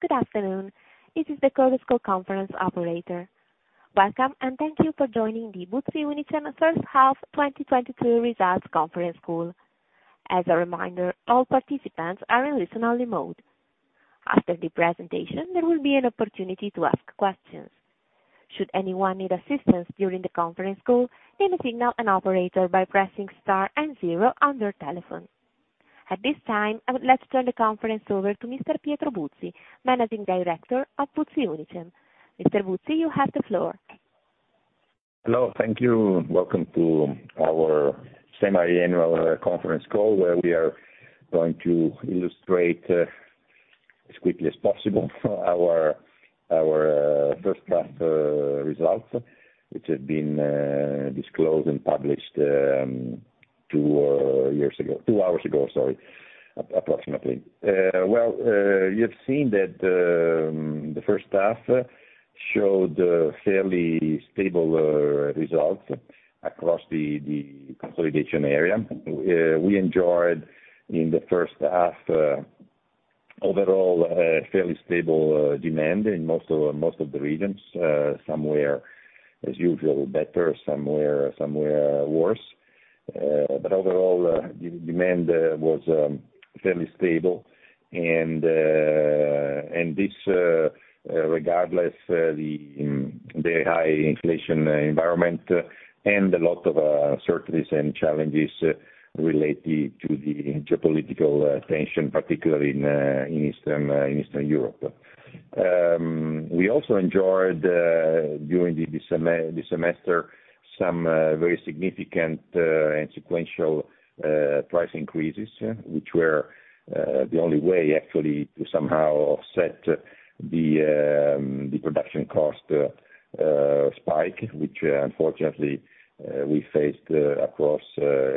Good afternoon. This is the Chorus Call conference operator. Welcome, and thank you for joining the Buzzi Unicem first half 2022 results conference call. As a reminder, all participants are in listen only mode. After the presentation, there will be an opportunity to ask questions. Should anyone need assistance during the conference call, please signal an operator by pressing star and zero on your telephone. At this time, I would like to turn the conference over to Mr. Pietro Buzzi, Managing Director of Buzzi Unicem. Mr. Buzzi, you have the floor. Hello. Thank you. Welcome to our semiannual conference call, where we are going to illustrate as quickly as possible our first half results, which have been disclosed and published two years ago. Two hours ago, sorry, approximately. Well, you have seen that the first half showed a fairly stable result across the consolidation area. We enjoyed in the first half overall a fairly stable demand in most of the regions, somewhere as usual better, somewhere worse. But overall demand was fairly stable. This, regardless the high inflation environment and a lot of uncertainties and challenges related to the geopolitical tension, particularly in Eastern Europe. We also enjoyed during the semester some very significant and sequential price increases, which were the only way actually to somehow offset the production cost spike, which unfortunately we faced across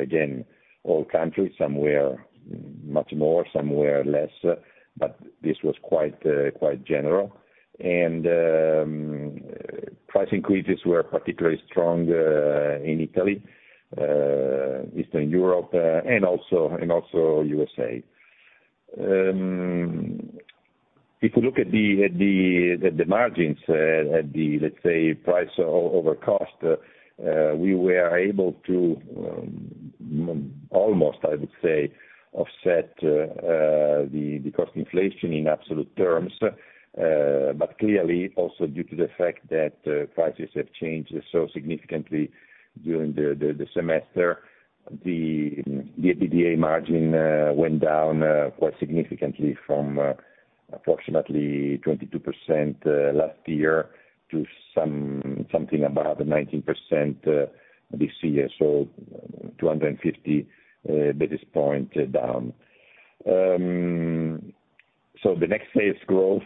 again all countries, some were much more, some were less. This was quite general. Price increases were particularly strong in Italy, Eastern Europe, and also USA. If you look at the margins, at the let's say price over cost, we were able to almost, I would say, offset the cost inflation in absolute terms. Clearly also due to the fact that prices have changed so significantly during the semester, the EBITDA margin went down quite significantly from approximately 22% last year to something above 19% this year. 250 basis points down. The net sales growth,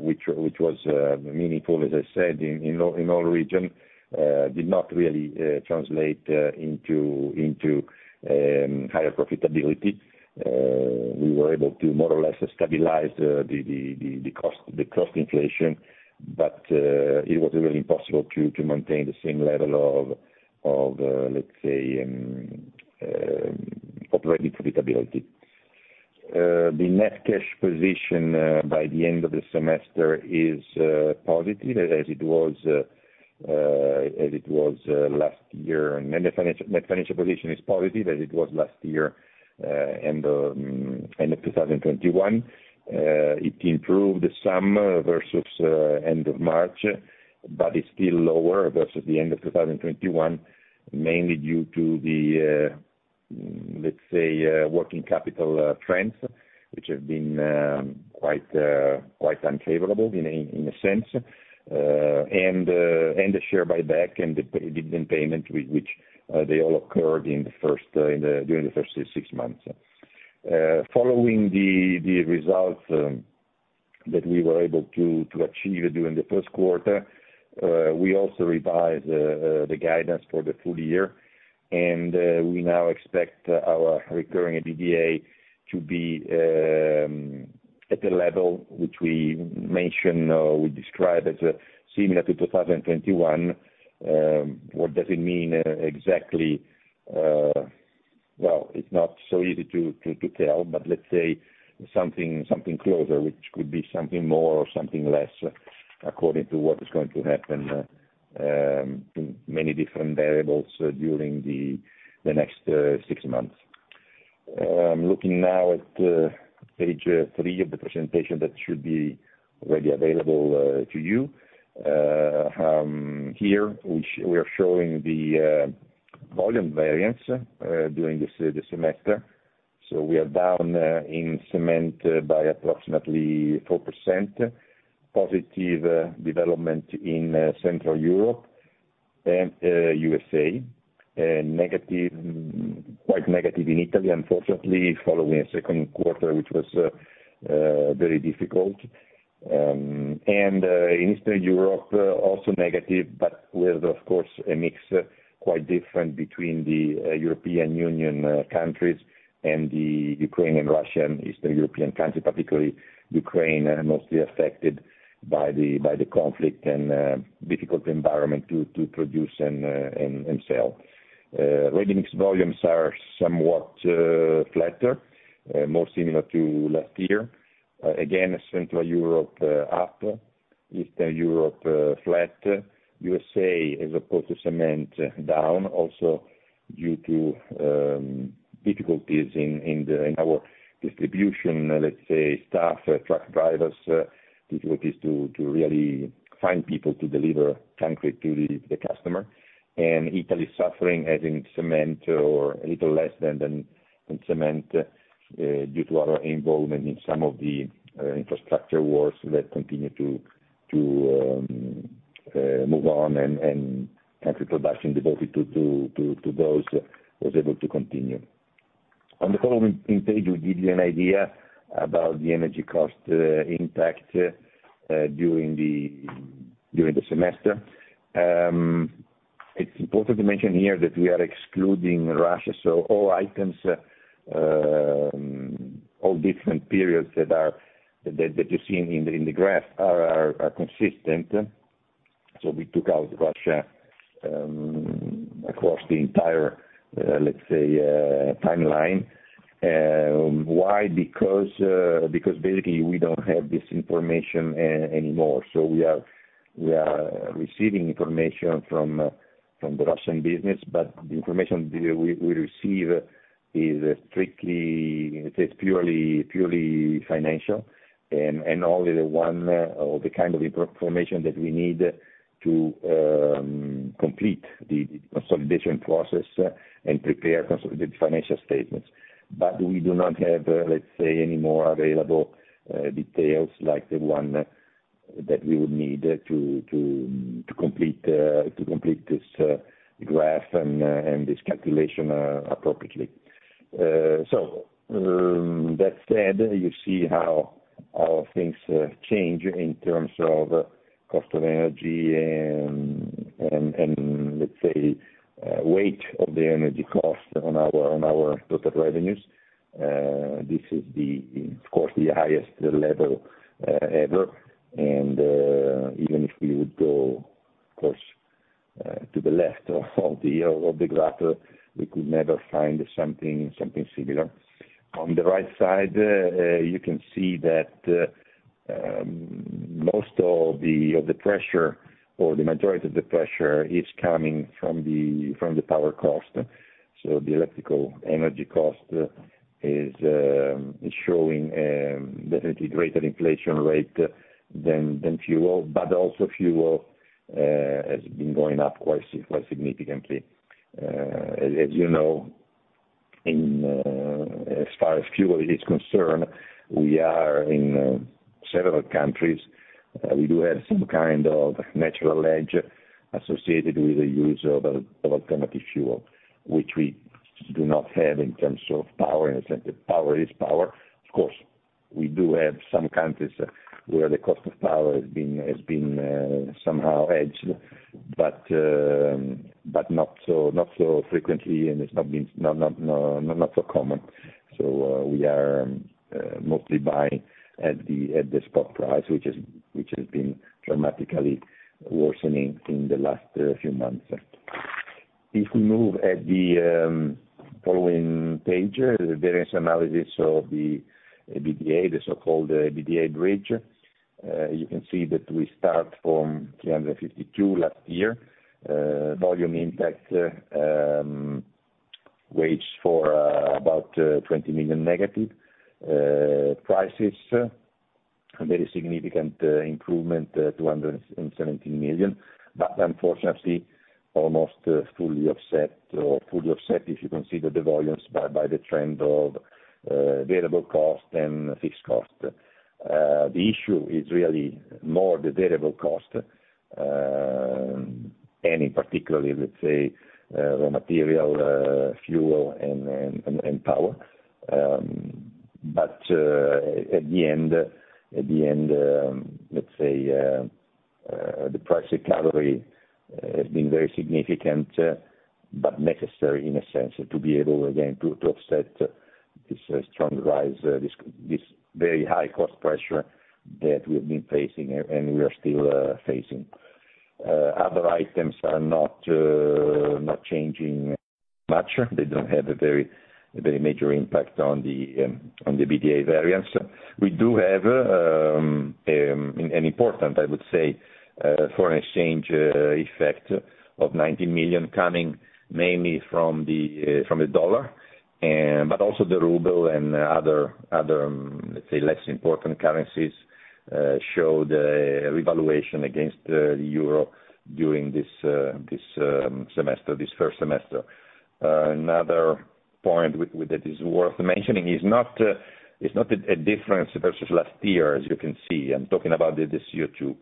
which was meaningful, as I said, in all regions, did not really translate into higher profitability. We were able to more or less stabilize the cost inflation. It was really impossible to maintain the same level of, let's say, operating profitability. The net cash position by the end of the semester is positive, as it was last year. Net financial position is positive as it was last year, end of 2021. It improved some versus end of March, but it's still lower versus the end of 2021, mainly due to the, let's say, working capital trends, which have been quite unfavorable in a sense. The share buyback and the dividend payment which they all occurred during the first six months. Following the results that we were able to achieve during the first quarter, we also revised the guidance for the full year, and we now expect our recurring EBITDA to be at the level which we describe as similar to 2021. What does it mean exactly? Well, it's not so easy to tell, but let's say something closer, which could be something more or something less according to what is going to happen, many different variables during the next six months. Looking now at page three of the presentation that should be already available to you. Here we are showing the volume variance during the semester. We are down in cement by approximately 4%. Positive development in Central Europe and USA. Negative, quite negative in Italy, unfortunately, following a second quarter, which was very difficult. In Eastern Europe, also negative, but with of course, a mix quite different between the European Union countries and the Ukraine and Russia and Eastern European countries, particularly Ukraine, are mostly affected by the conflict and difficult environment to produce and sell. Ready-mix volumes are somewhat flatter, more similar to last year. Again, Central Europe up. Eastern Europe flat. USA as opposed to cement down also due to difficulties in our distribution, let's say, staff, truck drivers, difficulties to really find people to deliver concrete to the customer. Italy suffering, I think, cement or a little less than in cement due to our involvement in some of the infrastructure works that continue to move on and concrete production devoted to those was able to continue. On the following page, we give you an idea about the energy cost impact during the semester. It's important to mention here that we are excluding Russia, so all items all different periods that you see in the graph are consistent. We took out Russia across the entire let's say timeline. Why? Because basically we don't have this information anymore. We are receiving information from the Russian business, but the information that we receive is strictly, let's say, purely financial and only the one or the kind of information that we need to complete the consolidation process and prepare the financial statements. But we do not have, let's say, any more available details like the one that we would need to complete this graph and this calculation appropriately. That said, you see how things change in terms of cost of energy and, let's say, weight of the energy cost on our total revenues. This is, of course, the highest level ever. Even if we would go, of course, to the left of the graph, we could never find something similar. On the right side, you can see that most of the pressure or the majority of the pressure is coming from the power cost. The electrical energy cost is showing definitely greater inflation rate than fuel. Also fuel has been going up quite significantly. As you know, as far as fuel is concerned, we are in several countries. We do have some kind of natural edge associated with the use of alternative fuel, which we do not have in terms of power. In a sense that power is power. Of course, we do have some countries where the cost of power has been hedged, but not so frequently and it's not been so common. We are mostly buying at the spot price, which has been dramatically worsening in the last few months. If we move to the following page, the variance analysis of the EBITDA, the so-called EBITDA bridge, you can see that we start from 352 million last year. Volume impact weighs for about -20 million. Prices, a very significant improvement, 217 million. Unfortunately, almost fully offset or fully offset if you consider the volumes by the trend of variable cost and fixed cost. The issue is really more the variable cost, and in particular, let's say, the material, fuel and power. At the end, let's say, the price recovery has been very significant, but necessary in a sense to be able, again, to offset this strong rise, this very high cost pressure that we've been facing and we are still facing. Other items are not changing much. They don't have a very major impact on the EBITDA variance. We do have an important, I would say, foreign exchange effect of 90 million coming mainly from the dollar, and Also the ruble and other, let's say, less important currencies showed a revaluation against the euro during this first semester. Another point that is worth mentioning is not a difference versus last year, as you can see. I'm talking about the CO2.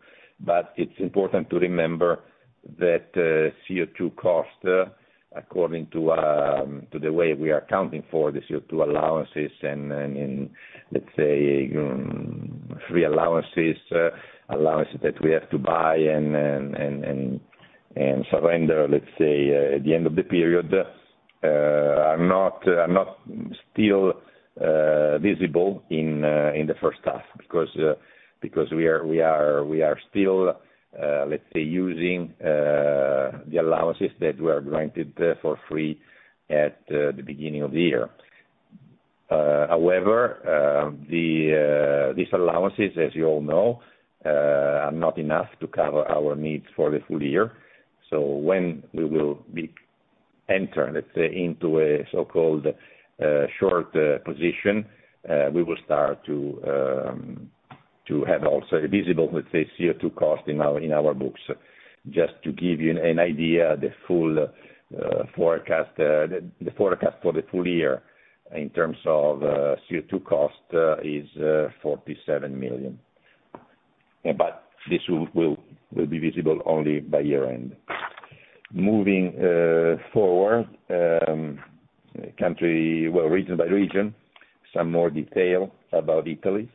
It's important to remember that CO2 cost, according to the way we are accounting for the CO2 allowances and, in let's say, free allowances that we have to buy and surrender, let's say, at the end of the period, are not still visible in the first half. Because we are still, let's say, using the allowances that were granted for free at the beginning of the year. However, these allowances, as you all know, are not enough to cover our needs for the full year. When we will enter, let's say, into a so-called short position, we will start to have also a visible, let's say, CO2 cost in our books. Just to give you an idea, the forecast for the full year in terms of CO2 cost is 47 million. But this will be visible only by year-end. Moving forward, country... Well, region by region, some more detail about Italy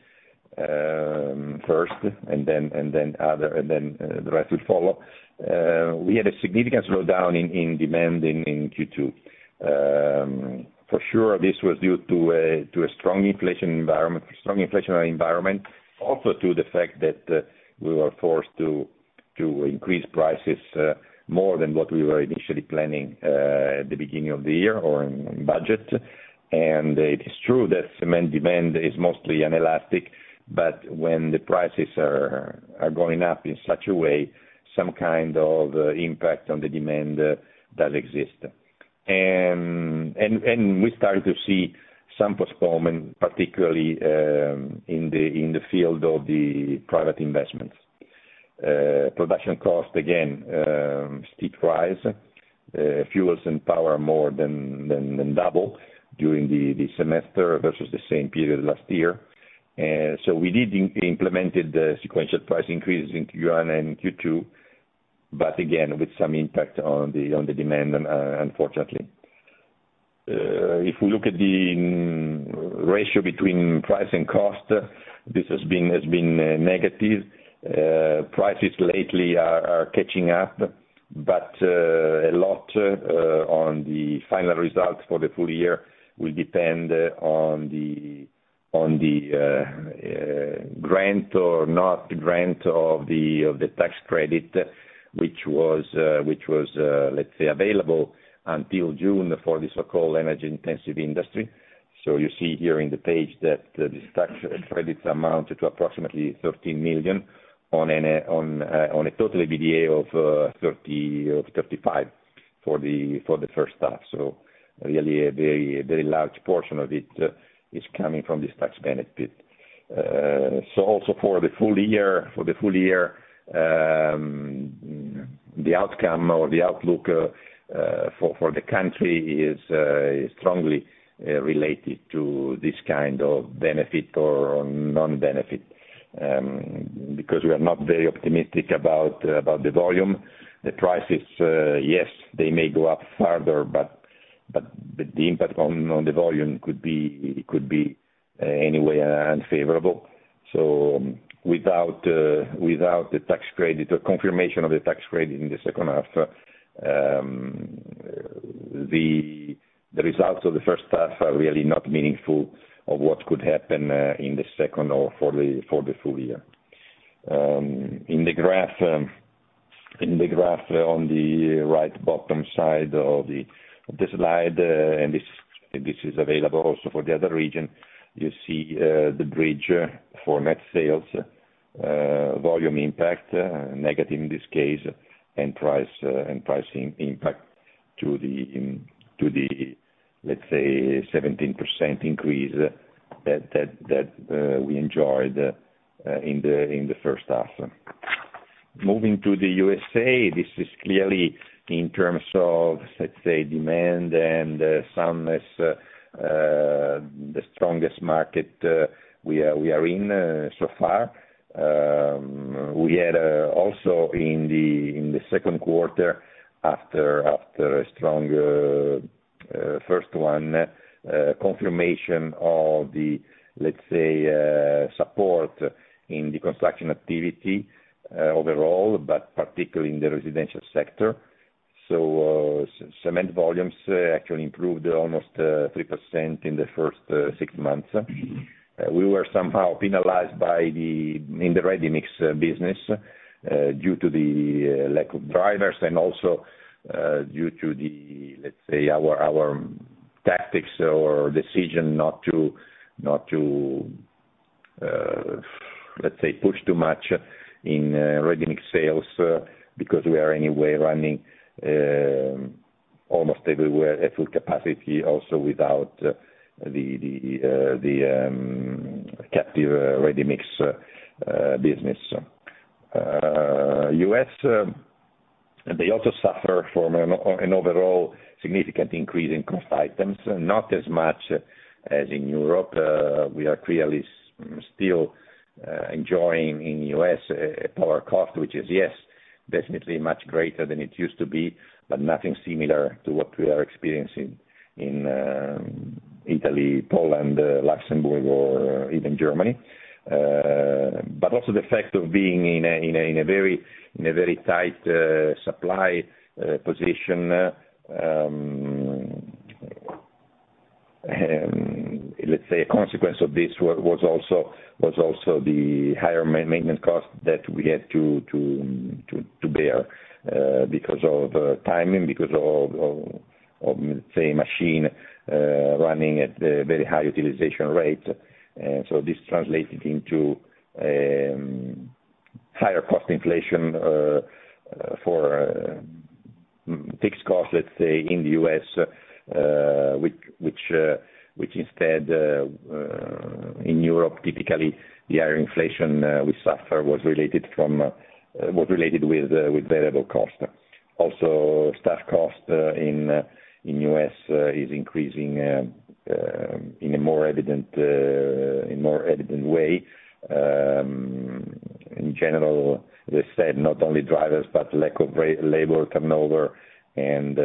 first, and then the rest will follow. We had a significant slowdown in demand in Q2. For sure this was due to a strong inflationary environment. Also to the fact that we were forced to increase prices more than what we were initially planning at the beginning of the year or in budget. It is true that cement demand is mostly inelastic, but when the prices are going up in such a way, some kind of impact on the demand does exist. We started to see some postponement particularly in the field of the private investments. Production cost, again, steep rise. Fuels and power more than double during the semester versus the same period last year. We implemented sequential price increases in Q1 and Q2, but again with some impact on the demand, unfortunately. If we look at the ratio between price and cost, this has been negative. Prices lately are catching up, but a lot on the final results for the full year will depend on the grant or not grant of the tax credit, which was, let's say, available until June for the so-called energy intensive industry. You see here in the page that this tax credits amount to approximately 13 million on a total EBITDA of 35 million for the first half. Really a very large portion of it is coming from this tax benefit. Also for the full year, the outcome or the outlook for the country is strongly related to this kind of benefit or non-benefit, because we are not very optimistic about the volume. The prices, yes, they may go up further, but the impact on the volume could be anyway unfavorable. Without the tax credit or confirmation of the tax credit in the second half, the results of the first half are really not meaningful of what could happen in the second or for the full year. In the graph on the right bottom side of the slide, and this is available also for the other region, you see, the bridge for net sales, volume impact, negative in this case, and price and pricing impact to the, let's say, 17% increase that we enjoyed in the first half. Moving to the USA, this is clearly in terms of, let's say, demand and soundness, the strongest market we are in so far. We had also in the second quarter, after a strong first one, confirmation of the, let's say, support in the construction activity, overall, but particularly in the residential sector. Cement volumes actually improved almost 3% in the first six months. We were somehow penalized in the ready-mix business due to the lack of drivers and also due to the, let's say, our tactics or decision not to let's say, push too much in ready-mix sales, because we are anyway running almost everywhere at full capacity also without the captive ready-mix business. In the U.S., they also suffer from an overall significant increase in cost items, not as much as in Europe. We are clearly still enjoying in U.S. a power cost, which is, yes, definitely much greater than it used to be, but nothing similar to what we are experiencing in Italy, Poland, Luxembourg, or even Germany. Also the fact of being in a very tight supply position, let's say a consequence of this was also the higher maintenance cost that we had to bear because of timing, because of, say, machine running at very high utilization rates. This translated into higher cost inflation for fixed costs, let's say, in the U.S., which instead in Europe, typically, the higher inflation we suffer was related with variable costs. Also, staff costs in U.S. is increasing in a more evident way. In general, they said not only drivers, but lack of blue-collar labor turnover and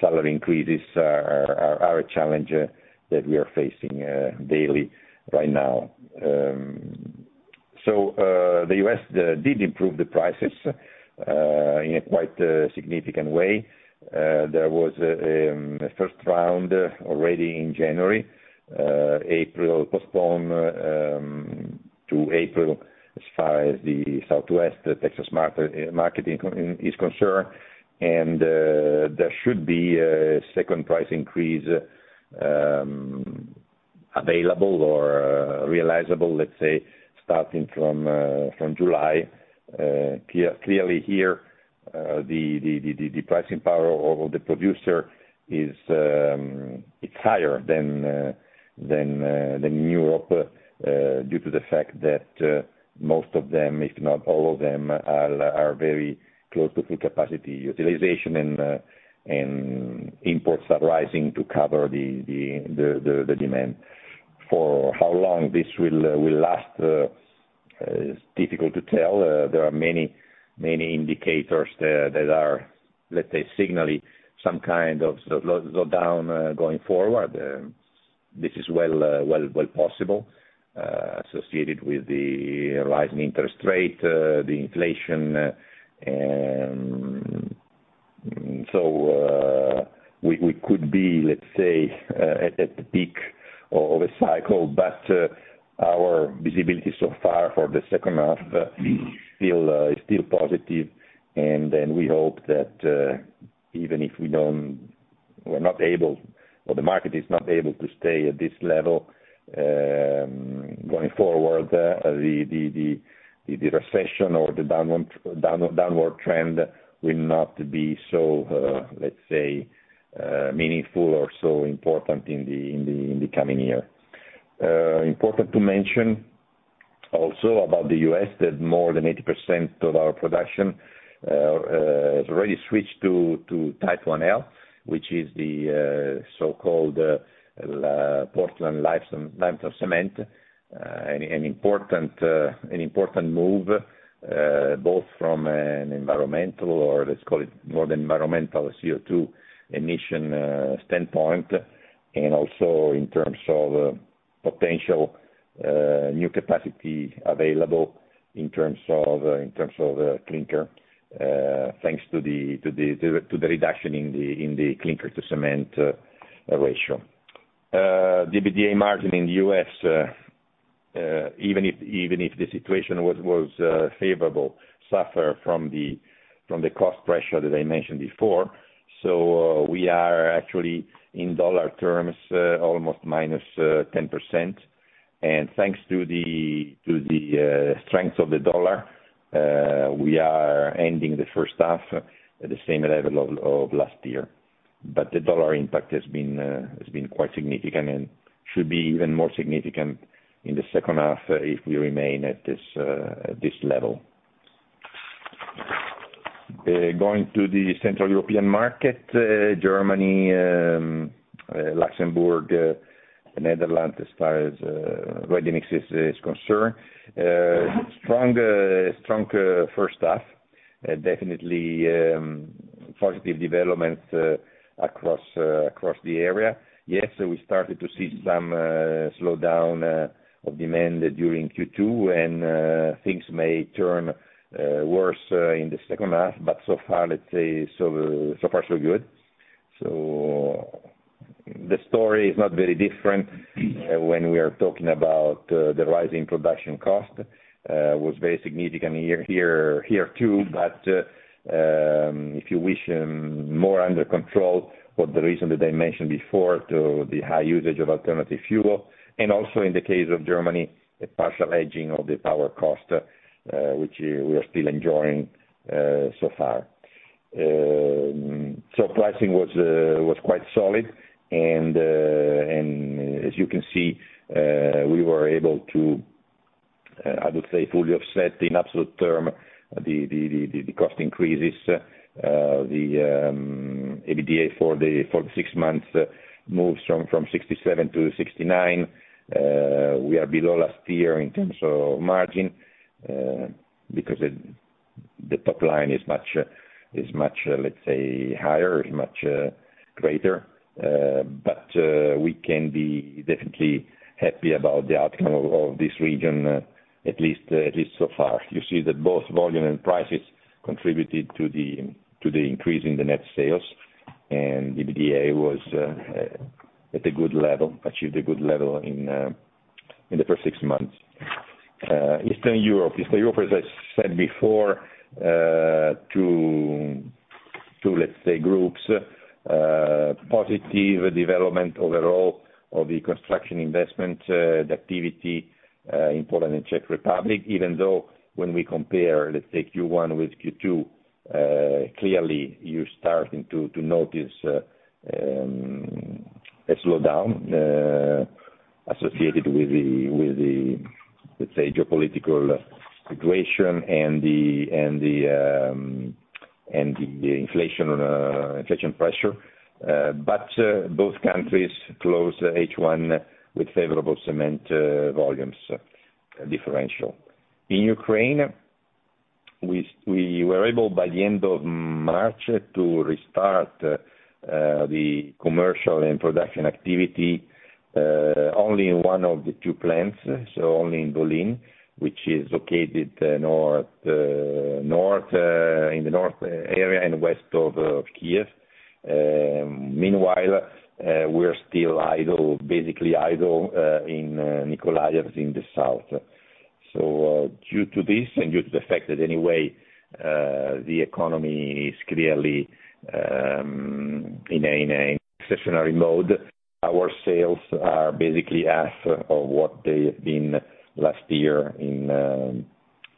salary increases are a challenge that we are facing daily right now. The U.S. did improve the prices in a quite significant way. There was a first round already in January. April postponed to April as far as the Southwest Texas market is concerned. There should be a second price increase, available or realizable, let's say, starting from July. Clearly here, the pricing power of the producer is higher than Europe due to the fact that most of them, if not all of them, are very close to full capacity utilization, and imports are rising to cover the demand. For how long this will last is difficult to tell. There are many indicators that are, let's say, signaling some kind of slowdown going forward. This is well possible, associated with the rising interest rate, the inflation. We could be, let's say, at the peak of a cycle. Our visibility so far for the second half still positive. We hope that even if we're not able or the market is not able to stay at this level, going forward, the recession or the downward trend will not be so, let's say, meaningful or so important in the coming year. Important to mention also about the U.S. that more than 80% of our production has already switched to Type IL, which is the so-called Portland-Limestone Cement. An important move, both from an environmental or let's call it more the environmental CO2 emission standpoint, and also in terms of potential new capacity available in terms of clinker, thanks to the reduction in the clinker-to-cement ratio. EBITDA margin in the U.S., even if the situation was favorable, suffer from the cost pressure that I mentioned before. We are actually in dollar terms almost -10%. Thanks to the strength of the dollar, we are ending the first half at the same level of last year. The dollar impact has been quite significant and should be even more significant in the second half if we remain at this level. Going to the Central European market, Germany, Luxembourg, Netherlands, as far as ready-mix is concerned. Strong first half. Definitely positive development across the area. Yes, so we started to see some slowdown of demand during Q2, and things may turn worse in the second half, but so far, let's say, so good. The story is not very different when we are talking about the rising production cost was very significant here too. If you wish more under control for the reason that I mentioned before to the high usage of alternative fuel, and also in the case of Germany, a partial hedging of the power cost, which we are still enjoying so far. Pricing was quite solid. As you can see, we were able to, I would say, fully offset in absolute term the cost increases. The EBITDA for the six months moves from 67% to 69%. We are below last year in terms of margin because the top line is much, let's say, higher, greater. We can be definitely happy about the outcome of this region at least so far. You see that both volume and prices contributed to the increase in the net sales. EBITDA was at a good level, achieved a good level in the first six months. Eastern Europe, as I said before, two groups, positive development overall of the construction investment, the activity, in Poland and Czech Republic, even though when we compare, let's say, Q1 with Q2, clearly you're starting to notice a slowdown associated with the, let's say, geopolitical situation and the inflation pressure, but both countries closed H1 with favorable cement volumes differential. In Ukraine, we were able by the end of March to restart the commercial and production activity only in one of the two plants, so only in Volyn, which is located in the north area and west of Kyiv. Meanwhile, we're still idle, basically idle in Mykolayiv in the south. Due to this and due to the fact that anyway the economy is clearly in a stationary mode, our sales are basically half of what they had been last year in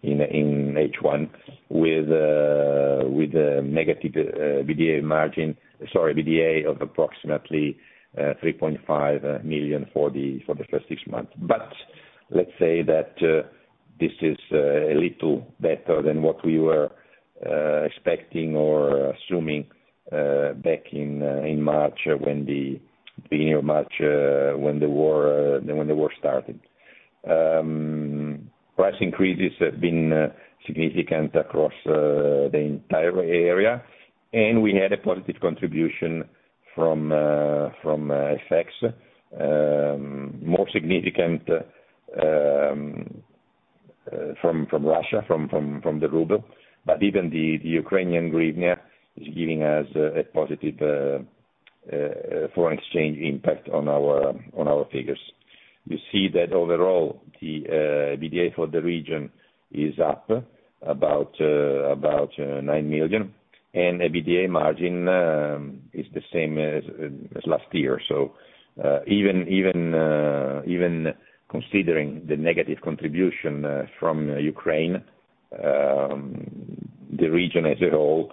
H1 with a negative EBITDA of approximately 3.5 million for the first six months. Let's say that this is a little better than what we were expecting or assuming back in the beginning of March when the war started. Price increases have been significant across the entire area, and we had a positive contribution from FX, more significant from the ruble, but even the Ukrainian hryvnia is giving us a positive foreign exchange impact on our figures. You see that overall the EBITDA for the region is up about 9 million, and EBITDA margin is the same as last year. Even considering the negative contribution from Ukraine, the region as a whole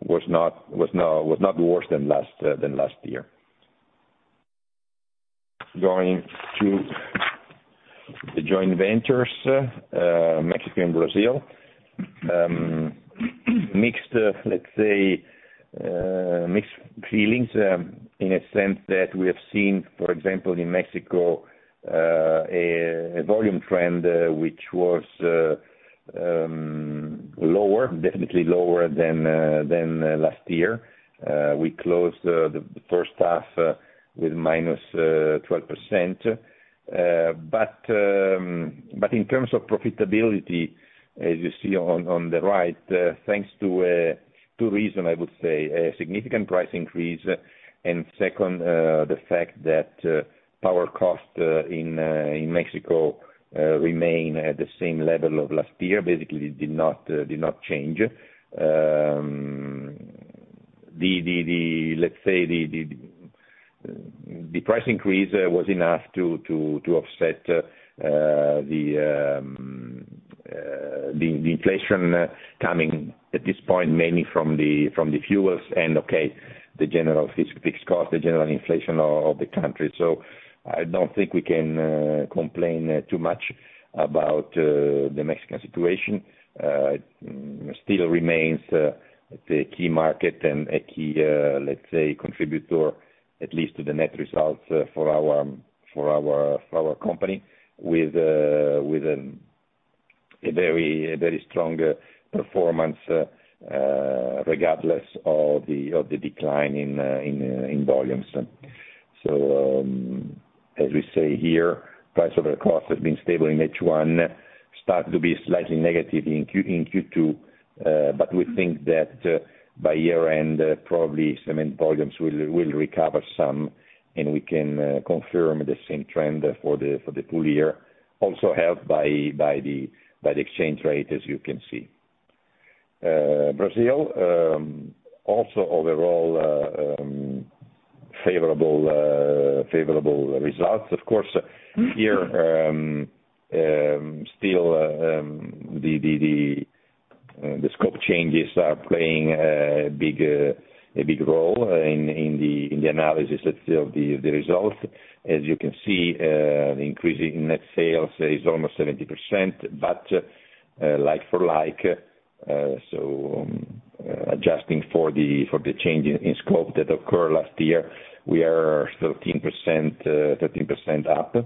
was not worse than last year. Going to the joint ventures, Mexico and Brazil. Mixed, let's say, mixed feelings, in a sense that we have seen, for example, in Mexico, a volume trend which was lower, definitely lower than last year. We closed the first half with -12%. In terms of profitability, as you see on the right, thanks to two reasons I would say, a significant price increase and second, the fact that power cost in Mexico remain at the same level of last year, basically did not change. The price increase was enough to offset the inflation coming at this point mainly from the fuels and the general fixed cost, the general inflation of the country. I don't think we can complain too much about the Mexican situation. Still remains the key market and a key, let's say contributor at least to the net results, for our company with a very strong performance, regardless of the decline in volumes. As we say here, price over cost has been stable in H1, start to be slightly negative in Q2, but we think that by year-end, probably cement volumes will recover some, and we can confirm the same trend for the full year, also helped by the exchange rate, as you can see. Brazil also overall favorable results. Of course, here, still, the scope changes are playing a big role in the analysis, let's say, of the results. As you can see, increasing net sales is almost 70%, but like for like, adjusting for the change in scope that occurred last year, we are 13% up.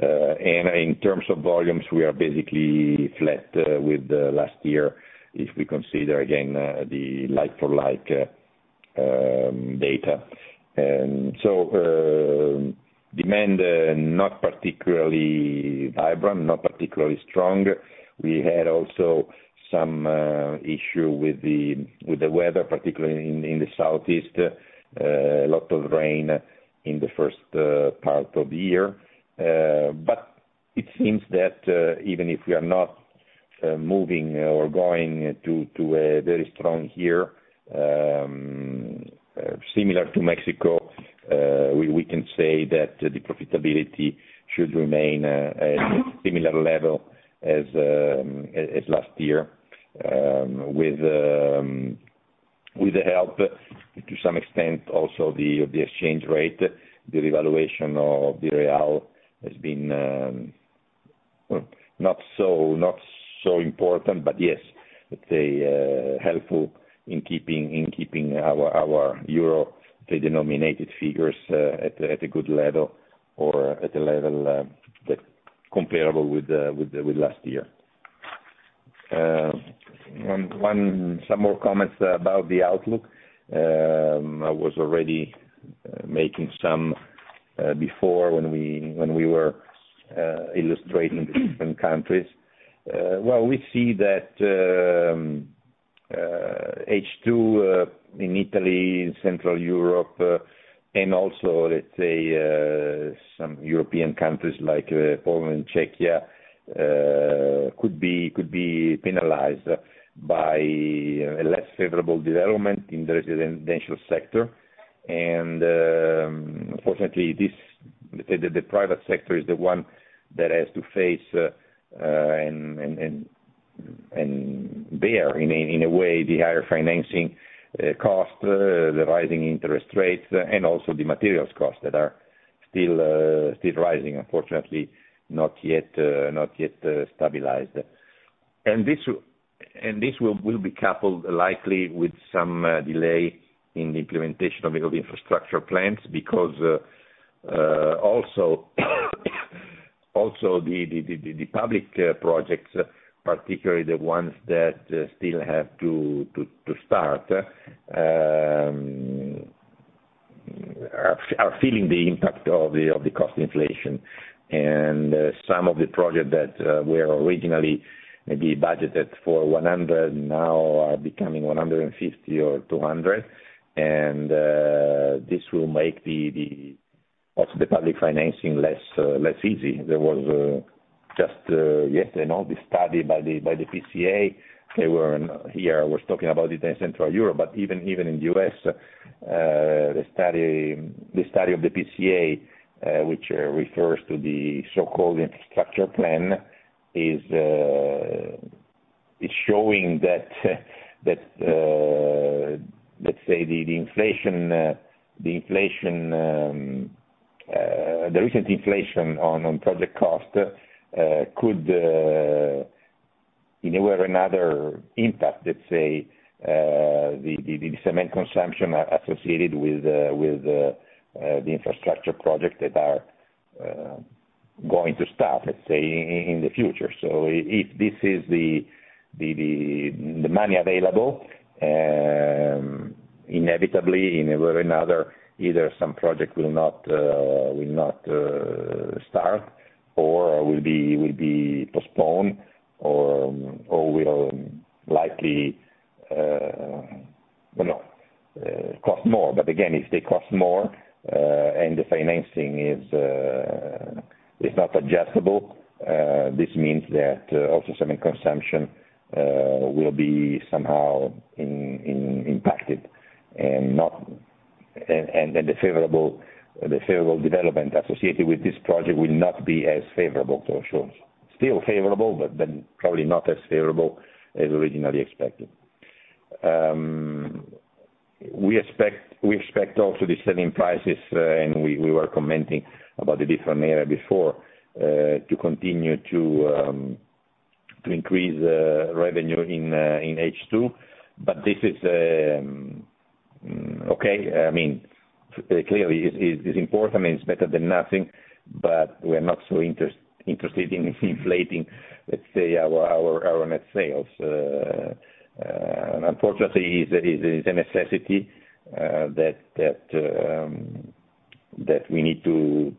In terms of volumes, we are basically flat with last year if we consider again the like for like data. Demand not particularly vibrant, not particularly strong. We had also some issue with the weather, particularly in the southeast, a lot of rain in the first part of the year. It seems that even if we are not moving or going to very strong here, similar to Mexico, we can say that the profitability should remain at a similar level as last year. With the help, to some extent also the exchange rate, the evaluation of the real has been not so important. Yes, let's say helpful in keeping our euro denominated figures at a good level or at a level that comparable with last year. One more comments about the outlook. I was already making some before when we were illustrating the different countries. Well, we see that H2 in Italy, in Central Europe, and also, let's say, some European countries like Poland, Czechia could be penalized by a less favorable development in the residential sector. Unfortunately, this, let's say that the private sector is the one that has to face and bear in a way the higher financing cost, the rising interest rates, and also the materials costs that are still rising, unfortunately not yet stabilized. This will be coupled likely with some delay in the implementation of infrastructure plans because also the public projects, particularly the ones that still have to start, are feeling the impact of the cost inflation. Some of the project that were originally maybe budgeted for 100 million, now are becoming 150 million or 200 million. This will make also the public financing less easy. There was just yesterday the study by the PCA. They were here, I was talking about it in Central Europe, but even in the U.S., the study of the PCA, which refers to the so-called infrastructure plan, is showing that, let's say, the recent inflation on project cost could in a way or another impact, let's say, the cement consumption associated with the infrastructure projects that are going to start, let's say, in the future. If this is the money available, inevitably in one way or another, either some project will not start or will be postponed or will likely cost more. Again, if they cost more, and the financing is not adjustable, this means that also cement consumption will be somehow impacted. The favorable development associated with this project will not be as favorable for sure. Still favorable, but then probably not as favorable as originally expected. We expect also the selling prices, and we were commenting about the different area before, to continue to increase revenue in H2. This is okay. I mean, clearly is important and it's better than nothing, but we're not so interested in inflating, let's say our net sales. Unfortunately, it is a necessity that we need to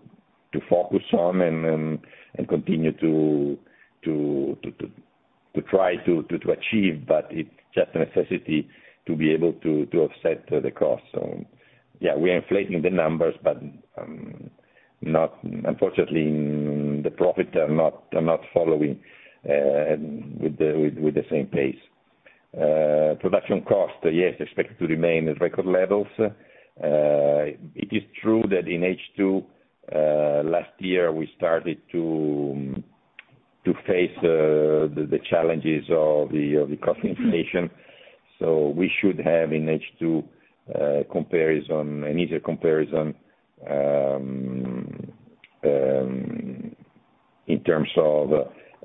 focus on and continue to try to achieve, but it's just a necessity to be able to offset the costs. Yeah, we are inflating the numbers, but not. Unfortunately, the profits are not following with the same pace. Production costs, yes, expected to remain at record levels. It is true that in H2 last year, we started to face the challenges of the cost inflation. We should have in H2 comparison an easier comparison in terms of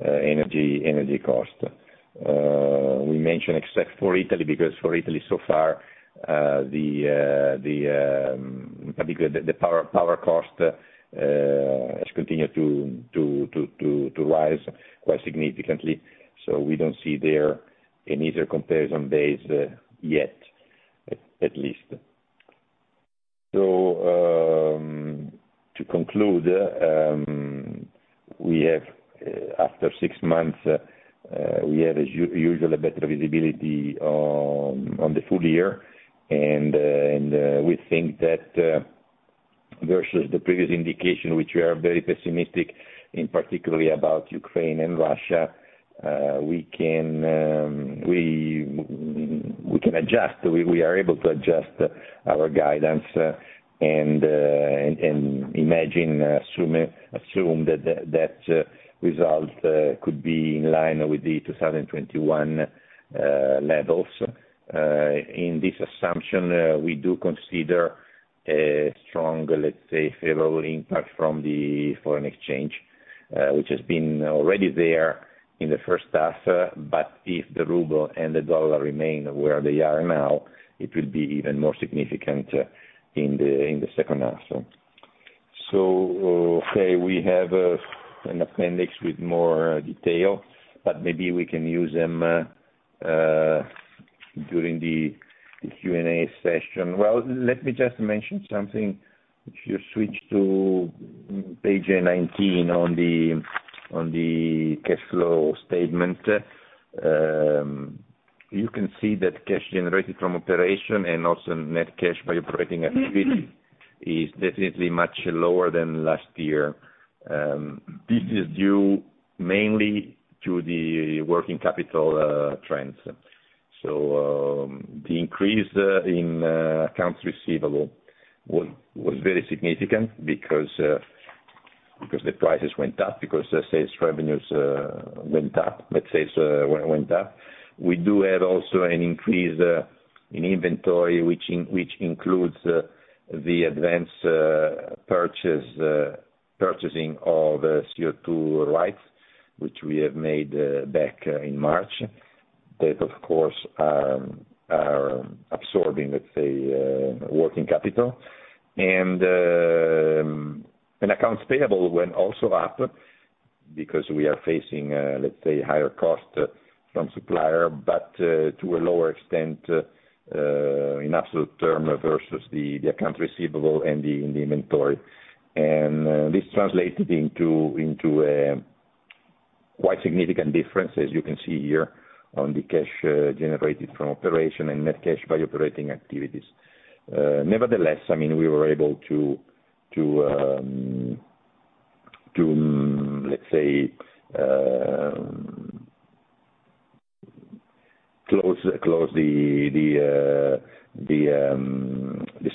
energy cost. We mentioned, except for Italy, because for Italy so far, because the power cost has continued to rise quite significantly. We don't see there an easier comparison base yet, at least. To conclude, we have, after six months, as usual, a better visibility on the full year. We think that, versus the previous indication, which we are very pessimistic, in particular about Ukraine and Russia, we can adjust. We are able to adjust our guidance and assume that result could be in line with the 2021 levels. In this assumption, we do consider a strong, let's say, favorable impact from the foreign exchange, which has been already there in the first half. If the ruble and the dollar remain where they are now, it will be even more significant in the second half. Okay, we have an appendix with more detail, but maybe we can use them during the Q&A session. Well, let me just mention something. If you switch to page 19 on the cash flow statement. You can see that cash generated from operations and also net cash from operating activities is definitely much lower than last year. This is due mainly to the working capital trends. The increase in accounts receivable was very significant because the prices went up, because the sales revenues went up, let's say. We also have an increase in inventory, which includes the advance purchasing of CO2 rights, which we made back in March. That of course are absorbing, let's say, working capital. Accounts payable also went up because we are facing, let's say, higher costs from suppliers, but to a lower extent in absolute terms versus the accounts receivable and the inventory. This translated into quite significant differences you can see here on the cash generated from operations and net cash from operating activities. Nevertheless, I mean, we were able to, let's say, close the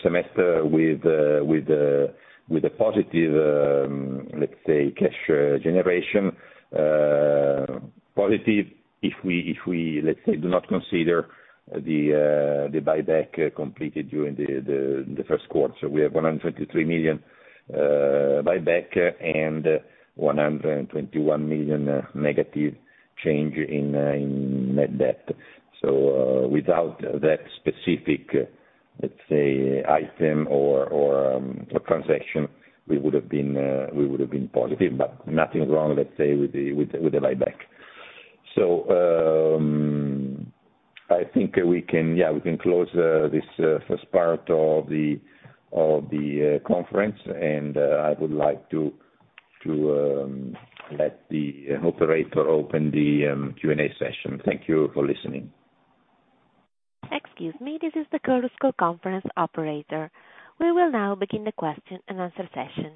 semester with a positive, let's say, cash generation, positive if we, let's say, do not consider the buyback completed during the first quarter. We have 123 million buyback and 121 million negative change in net debt. Without that specific, let's say, item or transaction, we would have been positive, but nothing wrong, let's say, with the buyback. I think we can close this first part of the conference, and I would like to let the operator open the Q&A session. Thank you for listening. Excuse me. This is the Chorus Call conference operator. We will now begin the question-and-answer session.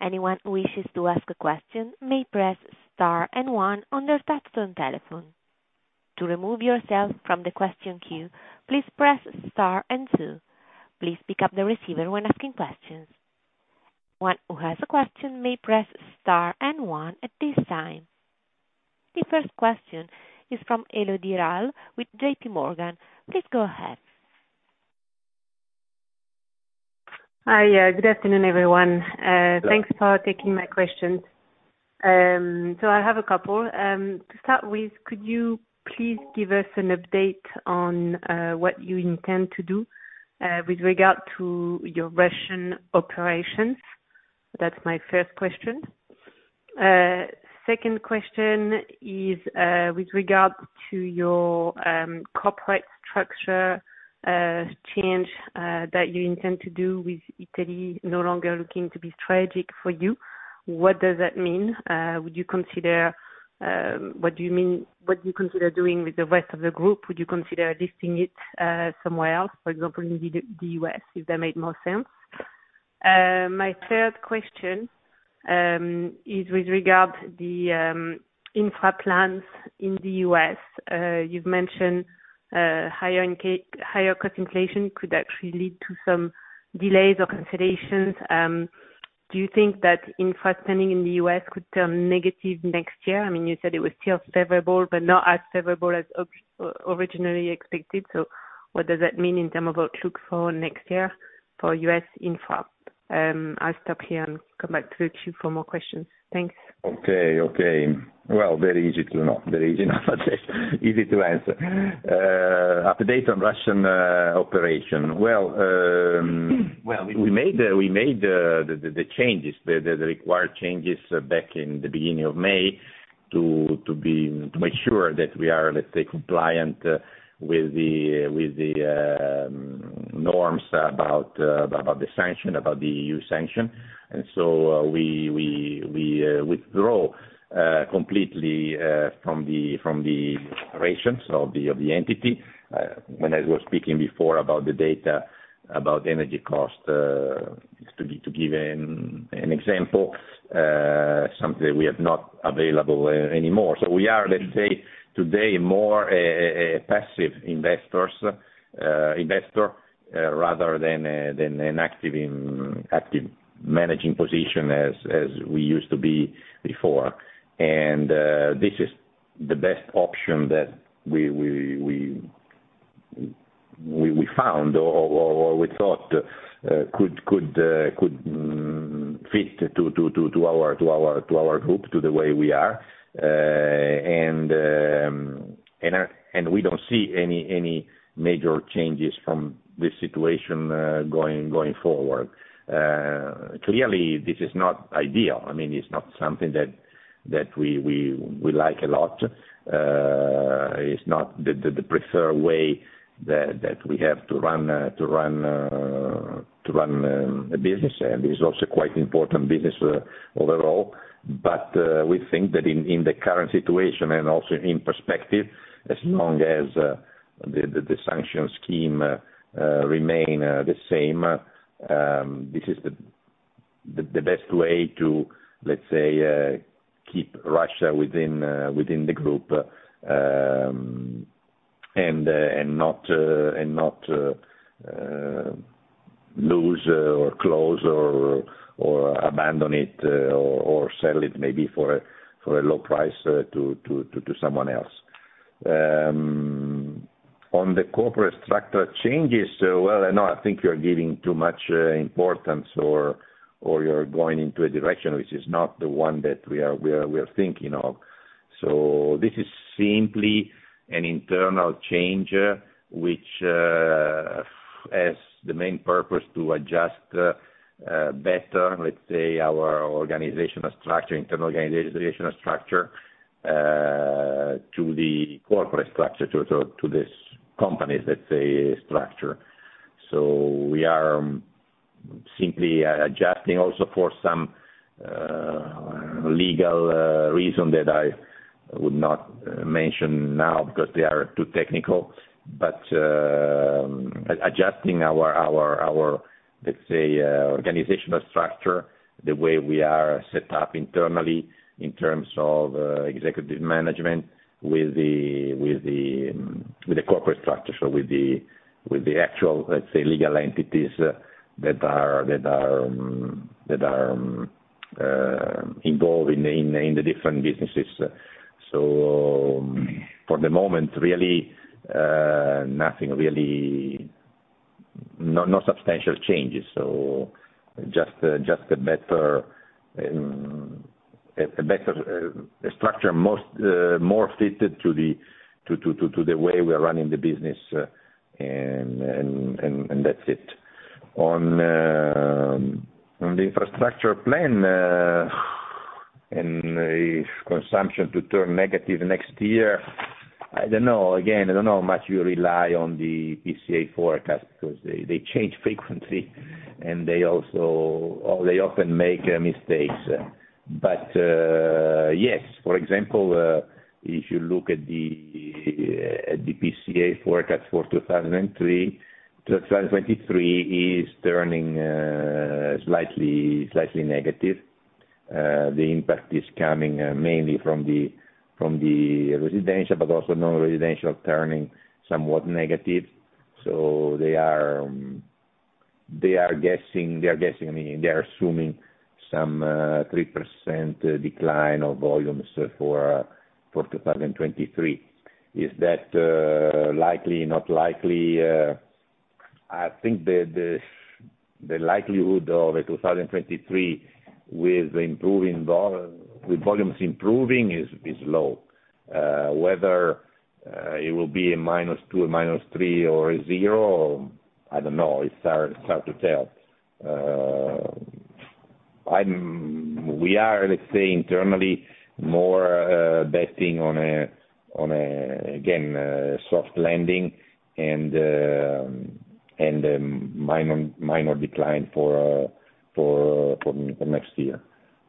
Anyone who wishes to ask a question may press star and one on their touchtone telephone. To remove yourself from the question queue, please press star and two. Please pick up the receiver when asking questions. One who has a question may press star and one at this time. The first question is from Elodie Rall with JPMorgan. Please go ahead. Hi. Good afternoon, everyone. Thanks for taking my questions. So I have a couple. To start with, could you please give us an update on what you intend to do with regard to your Russian operations? That's my first question. Second question is with regard to your corporate structure change that you intend to do with Italy no longer looking to be strategic for you. What does that mean? What do you consider doing with the rest of the group? Would you consider listing it somewhere else, for example, in the U.S., if that made more sense? My third question is with regard to the infra plans in the U.S. You've mentioned higher cost inflation could actually lead to some delays or considerations. Do you think that infra spending in the U.S. could turn negative next year? I mean, you said it was still favorable, but not as favorable as originally expected. What does that mean in terms of outlook for next year for U.S. infra? I'll stop here and come back to the queue for more questions. Thanks. Okay. Well, very easy to know. Very easy to answer. Update on Russian operation. Well, we made the required changes back in the beginning of May to make sure that we are, let's say, compliant with the norms about the sanction, about the E.U. sanction. We withdrew completely from the operations of the entity. When I was speaking before about the data about energy cost is to give an example, something we have not available anymore. We are, let's say today, more a passive investor rather than an active managing position as we used to be before. This is the best option that we found or we thought could fit to our group, to the way we are. We don't see any major changes from this situation going forward. Clearly, this is not ideal. I mean, it's not something that we like a lot. It's not the preferred way that we have to run a business. It's also quite important business overall. We think that in the current situation and also in perspective, as long as the sanction scheme remain the same, this is the best way to, let's say, keep Russia within the group and not lose or close or abandon it, or sell it maybe for a low price to someone else. On the corporate structure changes, well, I know I think you're giving too much importance or you're going into a direction which is not the one that we are thinking of. This is simply an internal change, which has the main purpose to adjust better, let's say, our organizational structure, internal organizational structure, to the corporate structure, to these companies, let's say, structure. We are simply adjusting also for some legal reason that I would not mention now because they are too technical. Adjusting our, let's say, organizational structure, the way we are set up internally in terms of executive management with the corporate structure, so with the actual, let's say, legal entities that are involved in the different businesses. For the moment, really, nothing really. No substantial changes. Just a better structure more fitted to the way we are running the business, and that's it. On the infrastructure plan, if consumption to turn negative next year, I don't know. Again, I don't know how much you rely on the PCA forecast because they change frequently and they often make mistakes. Yes, for example, if you look at the PCA forecast for 2023 is turning slightly negative. The impact is coming mainly from the residential, but also non-residential turning somewhat negative. They are guessing, I mean, they are assuming some 3% decline of volumes for 2023. Is that likely, not likely? I think the likelihood of a 2023 with improving volumes is low. Whether it will be a -2% or -3% or a 0%, I don't know. It's hard to tell. We are, let's say internally, more betting on a soft landing and minor decline for next year.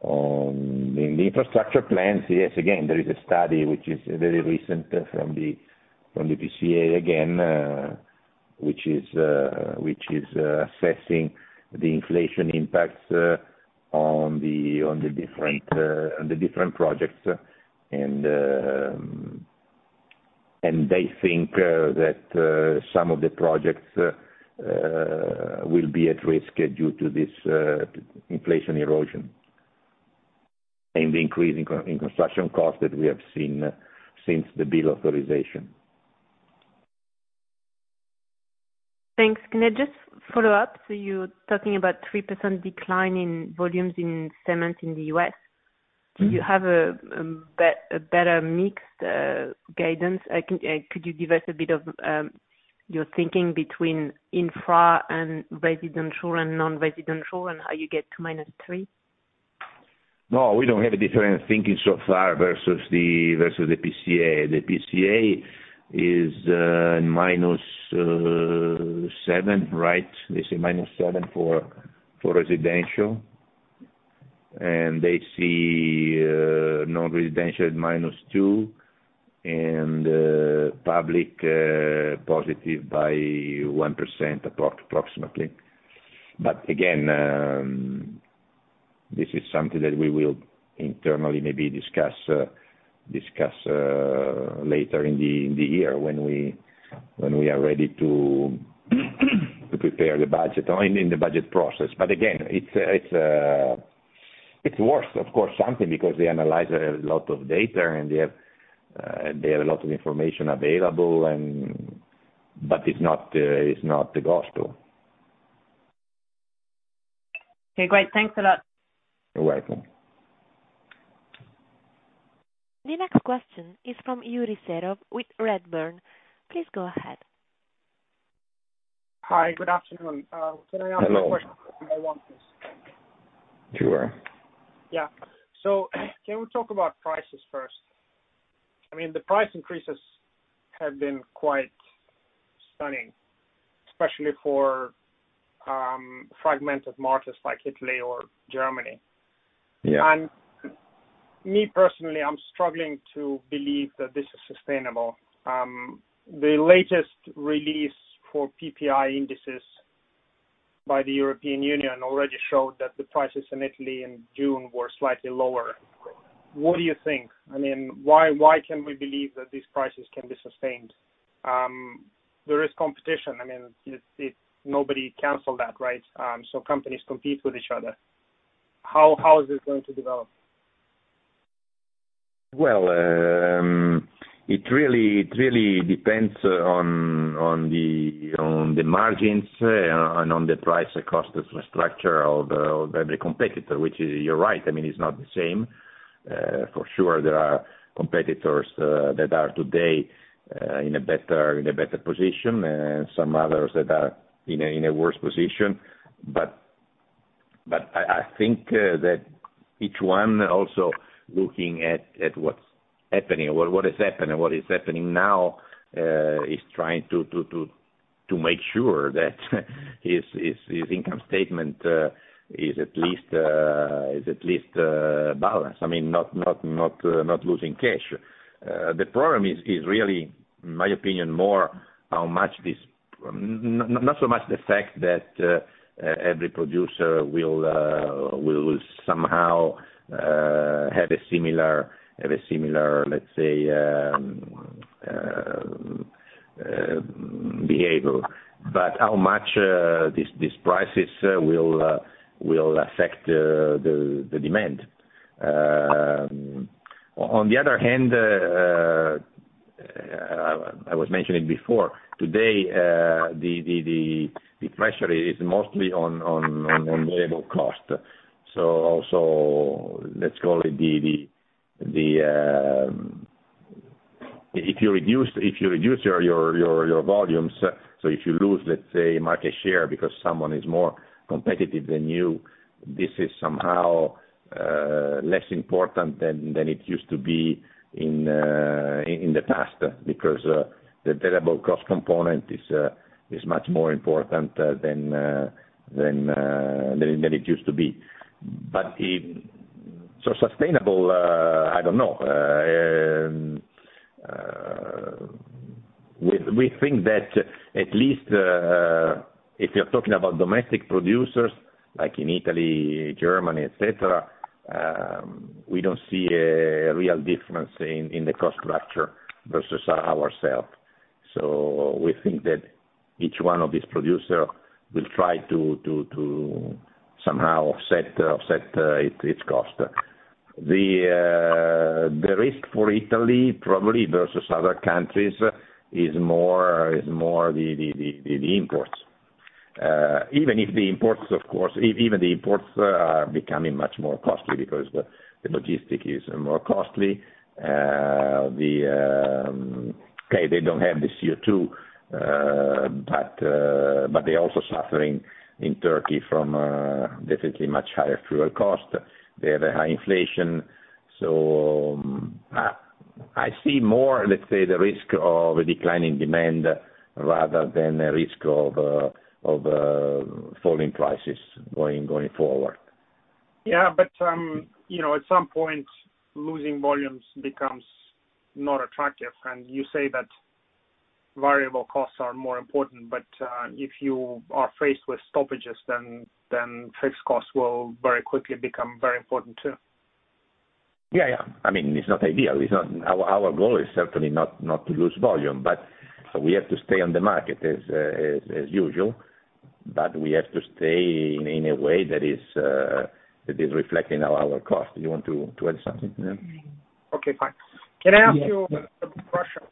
On the infrastructure plans, yes, again, there is a study which is very recent from the PCA again, which is assessing the inflation impacts on the different projects. They think that some of the projects will be at risk due to this inflation erosion and the increase in construction costs that we have seen since the bill authorization. Thanks. Can I just follow up? You're talking about 3% decline in volumes in cement in the U.S. Mm-hmm. Do you have a better mix guidance? Could you give us a bit of your thinking between infra and residential and non-residential, and how you get to -3%? No, we don't have a different thinking so far versus the PCA. The PCA is -7%, right? They say -7% for residential, and they see non-residential at -2% and public positive by 1% approximately. Again, this is something that we will internally maybe discuss later in the year when we are ready to prepare the budget or in the budget process. Again, it's worth something of course because they analyze a lot of data and they have a lot of information available. It's not the gospel. Okay, great. Thanks a lot. You're welcome. The next question is from Yuri Serov with Redburn. Please go ahead. Hi, good afternoon. Can I ask a question- Hello. -about? Sure. Yeah. Can we talk about prices first? I mean, the price increases have been quite stunning, especially for fragmented markets like Italy or Germany. Yeah. Me personally, I'm struggling to believe that this is sustainable. The latest release for PPI indices by the European Union already showed that the prices in Italy in June were slightly lower. What do you think? I mean, why can we believe that these prices can be sustained? There is competition. I mean, it nobody canceled that, right? Companies compete with each other. How is this going to develop? Well, it really depends on the margins and on the price across the structure of the competitor, which is. You're right, I mean, it's not the same. For sure there are competitors that are today in a better position and some others that are in a worse position. I think that each one also looking at what's happening or what has happened and what is happening now is trying to make sure that his income statement is at least balanced. I mean, not losing cash. The problem is really, in my opinion, more how much this. Not so much the fact that every producer will somehow have a similar, let's say, behavior, but how much these prices will affect the demand. On the other hand, I was mentioning before, today the pressure is mostly on variable cost. If you reduce your volumes, so if you lose, let's say, market share because someone is more competitive than you, this is somehow less important than it used to be in the past, because the variable cost component is much more important than it used to be. But if sustainable, I don't know. We think that at least if you're talking about domestic producers like in Italy, Germany, et cetera, we don't see a real difference in the cost structure versus ourself. We think that each one of these producers will try to somehow offset its cost. The risk for Italy probably versus other countries is more the imports. Even if the imports of course even the imports are becoming much more costly because the logistics is more costly. They don't have the CO2, but they're also suffering in Turkey from definitely much higher fuel costs. They have a high inflation. I see more, let's say, the risk of a decline in demand rather than a risk of falling prices going forward. Yeah. You know, at some point, losing volumes becomes not attractive. You say that variable costs are more important, but if you are faced with stoppages, then fixed costs will very quickly become very important too. Yeah. I mean, it's not ideal. It's not. Our goal is certainly not to lose volume, but we have to stay on the market as usual, but we have to stay in a way that is reflecting our cost. You want to add something? Yeah. Okay, fine. Can I ask you a question?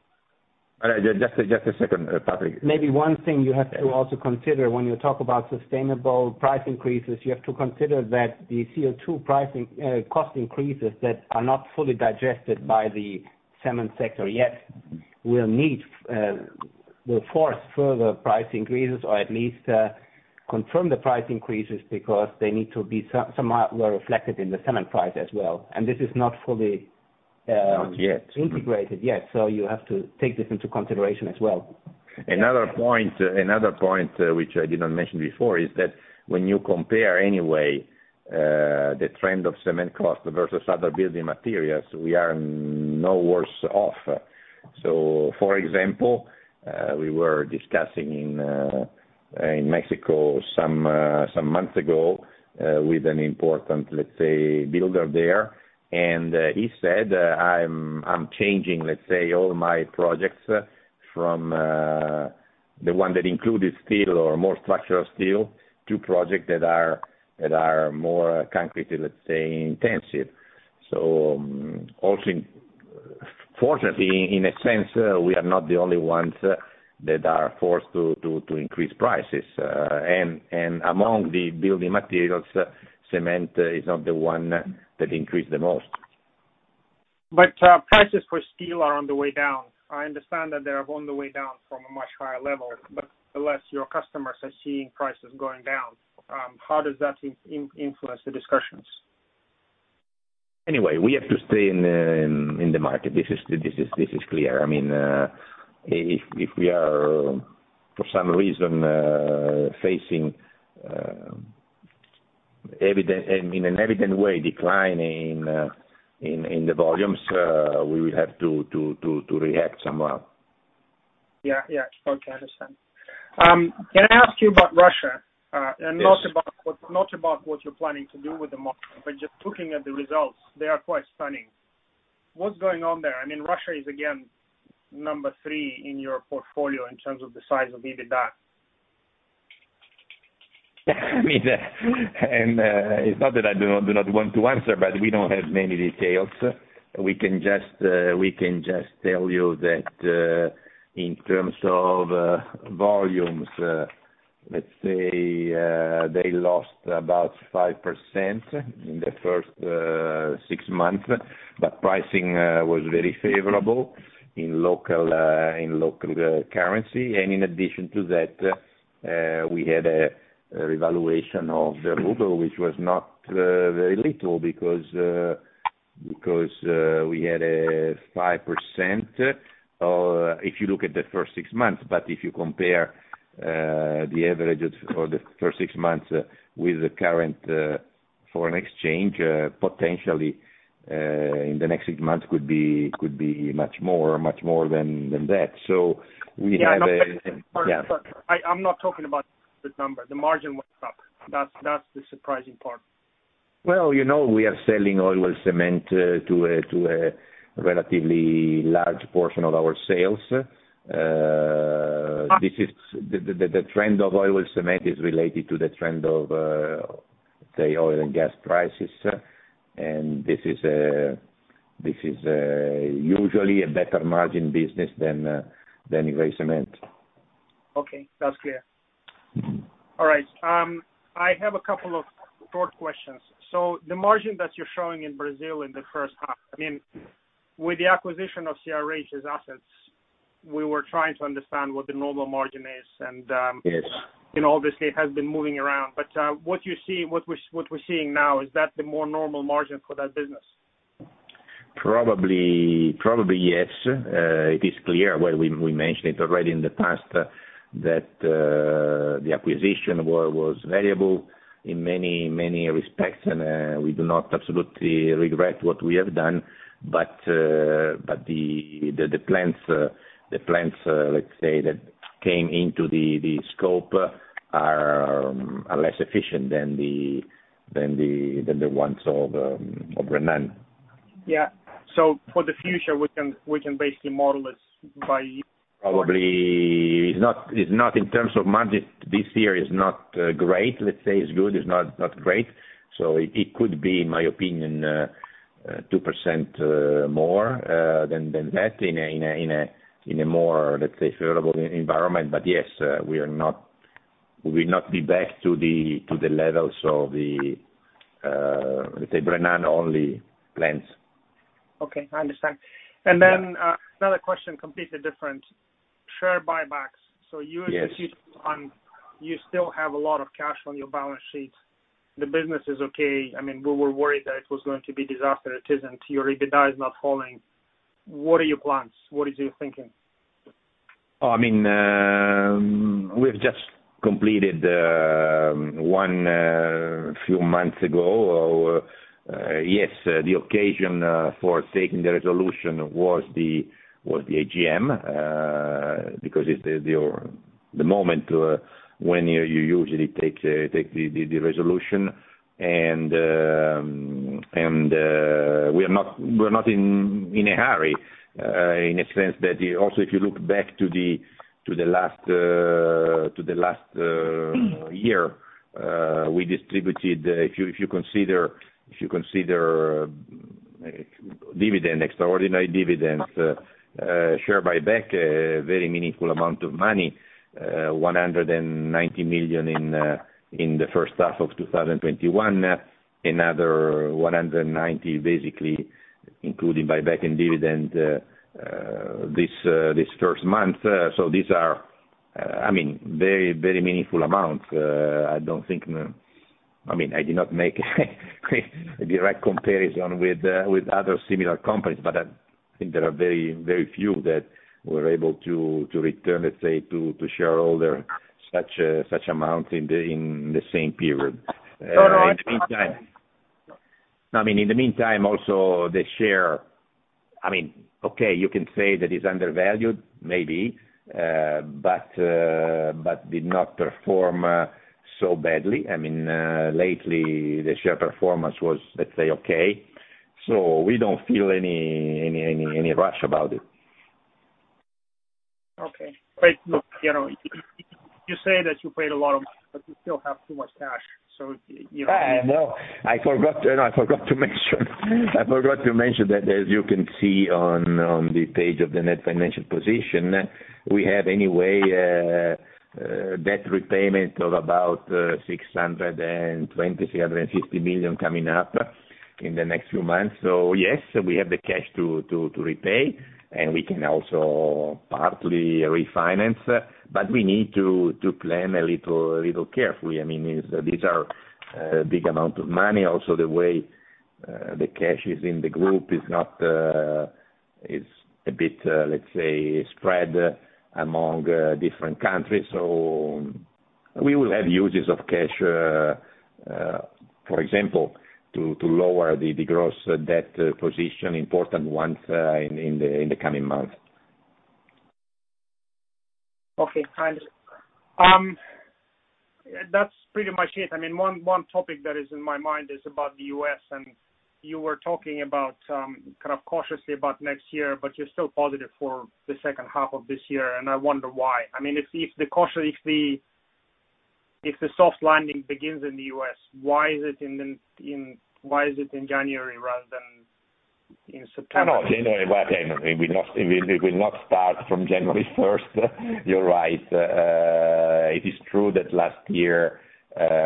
Just a second, Patrick. Maybe one thing you have to also consider when you talk about sustainable price increases. You have to consider that the CO2 pricing cost increases that are not fully digested by the cement sector yet will need. Will force further price increases or at least, confirm the price increases because they need to be somewhat well reflected in the cement price as well. This is not fully— Not yet. — integrated yet. You have to take this into consideration as well. Another point, which I did not mention before, is that when you compare anyway, the trend of cement cost versus other building materials, we are no worse off. For example, we were discussing in Mexico some months ago, with an important, let's say, builder there. And he said, "I'm changing, let's say, all my projects from the one that included steel or more structural steel to projects that are more concrete, let's say, intensive." Also, fortunately, in a sense, we are not the only ones that are forced to increase prices. And among the building materials, cement is not the one that increased the most. Prices for steel are on the way down. I understand that they are on the way down from a much higher level, but the less your customers are seeing prices going down, how does that influence the discussions? Anyway, we have to stay in the market. This is clear. I mean, if we are for some reason facing decline in the volumes, we will have to react somehow. Yeah. Yeah. Okay. I understand. Can I ask you about Russia? Yes. Not about what you're planning to do with the market, but just looking at the results, they are quite stunning. What's going on there? I mean, Russia is again number three in your portfolio in terms of the size of EBITDA. I mean, it's not that I do not want to answer, but we don't have many details. We can just tell you that in terms of volumes, let's say, they lost about 5% in the first six months. Pricing was very favorable in local currency. In addition to that, we had a revaluation of the ruble, which was not very little because we had a 5%. If you look at the first six months, if you compare the average for the first six months with the current foreign exchange, potentially in the next six months could be much more than that. We have a- Yeah, I'm not saying. Yeah. Sorry. I'm not talking about the number. The margin was up. That's the surprising part. Well, you know, we are selling oil well cement to a relatively large portion of our sales. The trend of oil well cement is related to the trend of say oil and gas prices. This is usually a better margin business than gray cement. Okay. That's clear. All right. I have a couple of short questions. The margin that you're showing in Brazil in the first half, I mean, with the acquisition of CRH's assets, we were trying to understand what the normal margin is and. Yes. You know, obviously it has been moving around. What you see, what we're seeing now, is that the more normal margin for that business? Probably, yes. It is clear. Well, we mentioned it already in the past that the acquisition was variable in many respects. We do not absolutely regret what we have done. The plants, let's say, that came into the scope are less efficient than the ones of Brennand. Yeah. For the future, we can basically model this by- Probably it's not in terms of margin. This year is not great. Let's say it's good. It's not great. It could be, in my opinion, 2% more than that in a more, let's say, favorable environment. Yes, we are not. We will not be back to the levels of the, let's say, Brennand-only plants. Okay. I understand. Another question, completely different. Share buybacks. You- Yes. You still have a lot of cash on your balance sheet. The business is okay. I mean, we were worried that it was going to be a disaster. It isn't. Your EBITDA is not falling. What are your plans? What is your thinking? I mean, we've just completed a few months ago. Yes, the occasion for taking the resolution was the AGM, because it's the moment when you usually take the resolution. We are not in a hurry, in a sense that you also if you look back to the last year, we distributed, if you consider dividend, extraordinary dividends, share buyback, a very meaningful amount of money, 190 million in the first half of 2021. Another 190 million, basically including buyback and dividend, this first month. So these are, I mean, very meaningful amounts. I do not make a direct comparison with other similar companies, but I think there are very, very few that were able to return, let's say, to shareholder such amounts in the same period. So in- I mean, in the meantime, also the share. I mean, okay, you can say that it's undervalued, maybe, but did not perform so badly. I mean, lately the share performance was, let's say, okay, so we don't feel any rush about it. Okay. Look, you know, you say that you paid a lot of money, but you still have too much cash. You know, I mean. I forgot to mention that as you can see on the page of the net financial position, we have anyway debt repayment of about 620 million-650 million coming up in the next few months. Yes, we have the cash to repay, and we can also partly refinance, but we need to plan a little carefully. I mean, these are big amount of money. Also, the way the cash is in the group is a bit, let's say, spread among different countries. We will have uses of cash, for example, to lower the gross debt position important ones in the coming months. Okay. That's pretty much it. I mean, one topic that is in my mind is about the U.S., and you were talking about kind of cautiously about next year, but you're still positive for the second half of this year, and I wonder why. I mean, if the soft landing begins in the U.S., why is it in January rather than in September? No, January. We do not start from January first. You're right. It is true that last year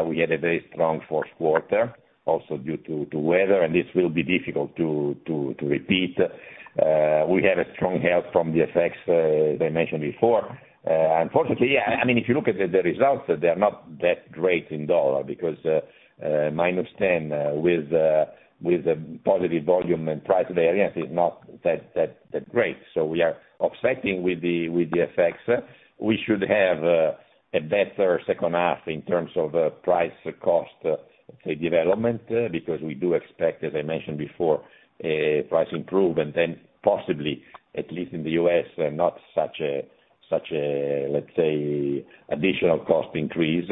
we had a very strong fourth quarter also due to weather, and this will be difficult to repeat. We have a strong help from the effects as I mentioned before. Unfortunately, I mean, if you look at the results, they are not that great in dollar terms because -10% with the positive volume and price variance is not that great. We are offsetting with the FX. We should have a better second half in terms of price cost, say development, because we do expect, as I mentioned before, price improvement, and possibly, at least in the U.S., not such a, let's say, additional cost increase.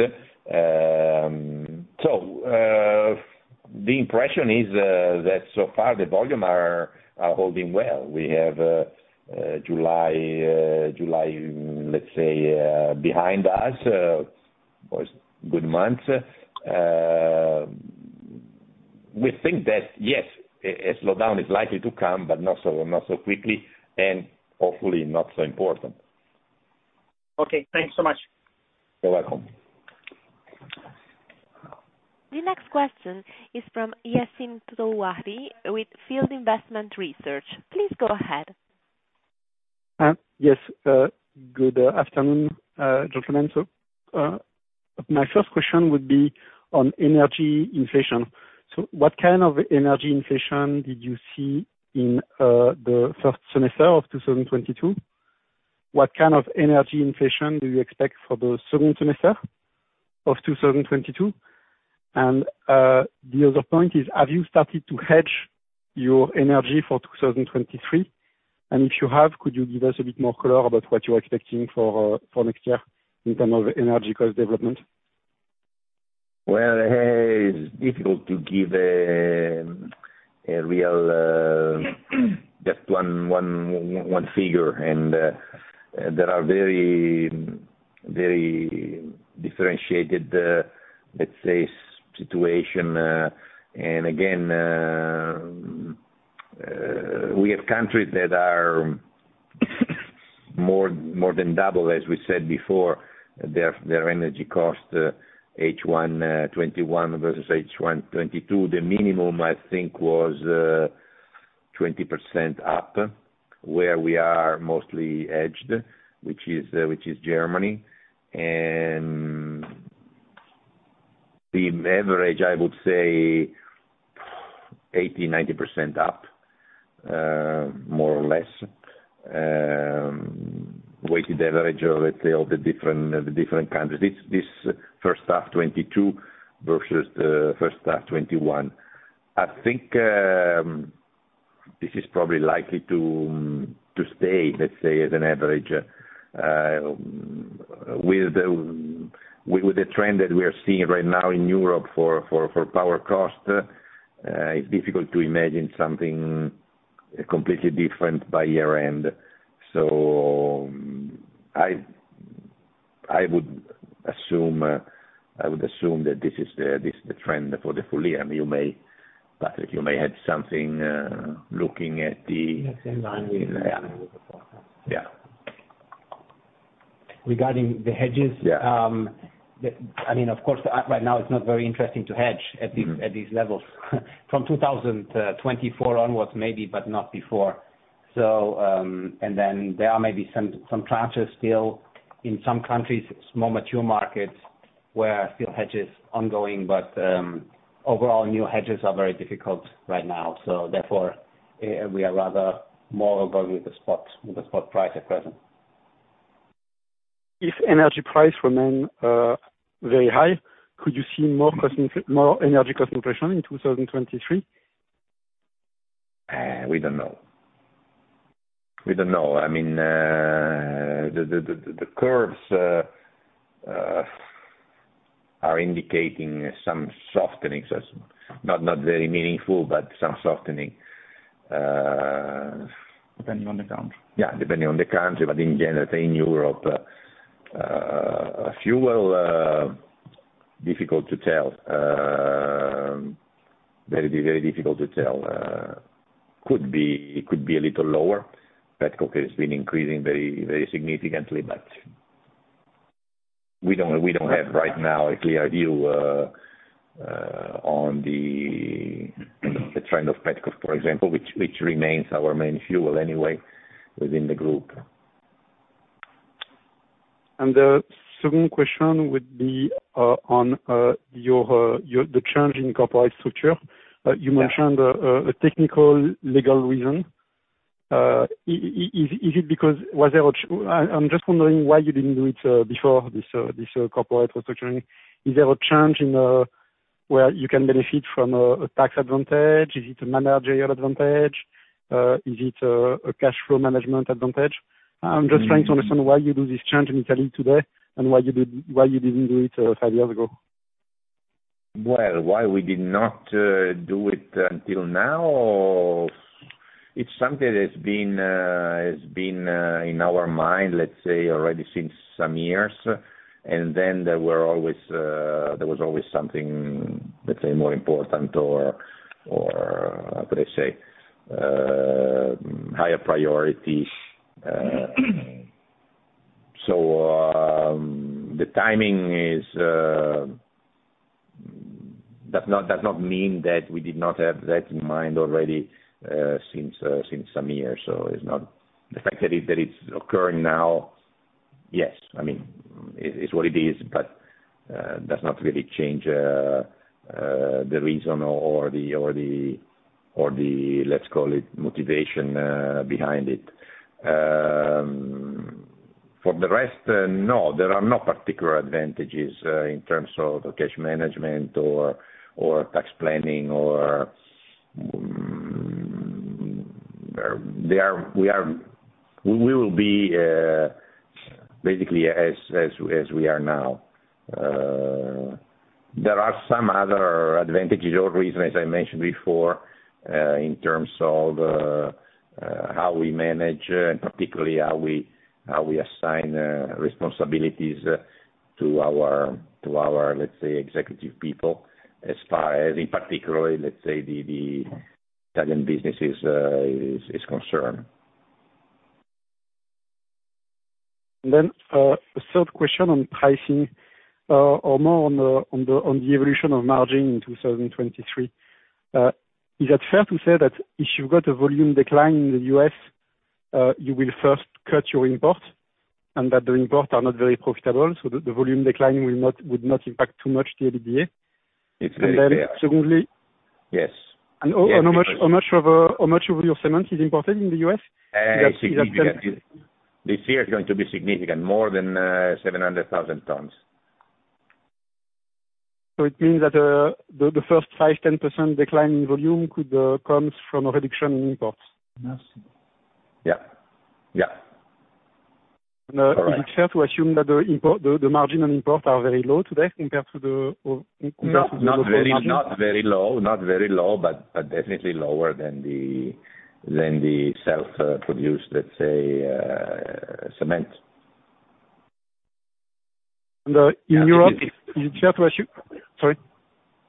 The impression is that so far the volumes are holding well. We have July, let's say, behind us. Was good month. We think that yes, a slowdown is likely to come, but not so quickly, and hopefully not so important. Okay. Thanks so much. You're welcome. The next question is from Yassine Touahri with On Field Investment Research. Please go ahead. Yes. Good afternoon, gentlemen. My first question would be on energy inflation. What kind of energy inflation did you see in the first semester of 2022? What kind of energy inflation do you expect for the second semester of 2022? The other point is, have you started to hedge your energy for 2023? If you have, could you give us a bit more color about what you're expecting for next year in terms of energy cost development? Well, it's difficult to give a real just one figure. There are very differentiated, let's say situation. We have countries that are more than double, as we said before, their energy costs, H1 2021 versus H1 2022. The minimum, I think, was 20% up where we are mostly hedged, which is Germany. The average, I would say 80%-90% up, more or less. Weighted average of, let's say all the different countries. It's this first half 2022 versus the first half 2021. I think this is probably likely to stay, let's say as an average. With the trend that we are seeing right now in Europe for power cost, it's difficult to imagine something completely different by year-end. I would assume that this is the trend for the full year. I mean, Patrick, you may have something looking at the- Yeah, same line with- Yeah. With the forecast. Yeah. Regarding the hedges. Yeah. I mean, of course, right now it's not very interesting to hedge at these. Mm-hmm At these levels. From 2024 onwards maybe, but not before. There are maybe some tranches still in some countries, small mature markets where I feel hedging is ongoing, but overall new hedges are very difficult right now. Therefore, we are rather more exposed with the spot price at present. If energy prices remain very high, could you see more energy concentration in 2023? We don't know. I mean, the curves are indicating some softening, so it's not very meaningful, but some softening. Depending on the country. Yeah, depending on the country, but in general, say, in Europe, fuel difficult to tell. Very difficult to tell. Could be a little lower. Petcoke has been increasing very significantly, but we don't have right now a clear view on the trend of petcoke, for example, which remains our main fuel anyway, within the group. The second question would be on the change in corporate structure. Yeah. You mentioned a technical legal reason. I'm just wondering why you didn't do it before this corporate restructuring. Is there a change in where you can benefit from a tax advantage? Is it a managerial advantage? Is it a cash flow management advantage? Mm-hmm. I'm just trying to understand why you do this change in Italy today, and why you didn't do it five years ago? Well, why we did not do it until now? It's something that has been in our mind, let's say already since some years. There was always something, let's say more important or how could I say, higher priority. The timing does not mean that we did not have that in mind already since some years. It's not the fact that it's occurring now, yes. I mean, it's what it is, but does not really change the reason or the, let's call it motivation behind it. For the rest, no, there are no particular advantages in terms of the cash management or tax planning. We will be basically as we are now. There are some other advantages or reason, as I mentioned before, in terms of how we manage and particularly how we assign responsibilities to our, let's say, executive people as far as in particular, let's say, the Italian businesses is concerned. Then, the third question on pricing, or more on the evolution of margin in 2023. Is it fair to say that if you've got a volume decline in the U.S., you will first cut your imports and that the imports are not very profitable, so the volume decline would not impact too much the EBITDA? It's very clear. Secondly. Yes. How much of your cement is imported in the U.S.? Significant. This year is going to be significant, more than 700,000 tons. It means that the first 5%-10% decline in volume could come from a reduction in imports. Yeah. Yeah. All right. Is it fair to assume that the import margin and import are very low today compared to the local margin? Not very low, but definitely lower than the self produced, let's say, cement. In Europe, is it fair to assume? Sorry.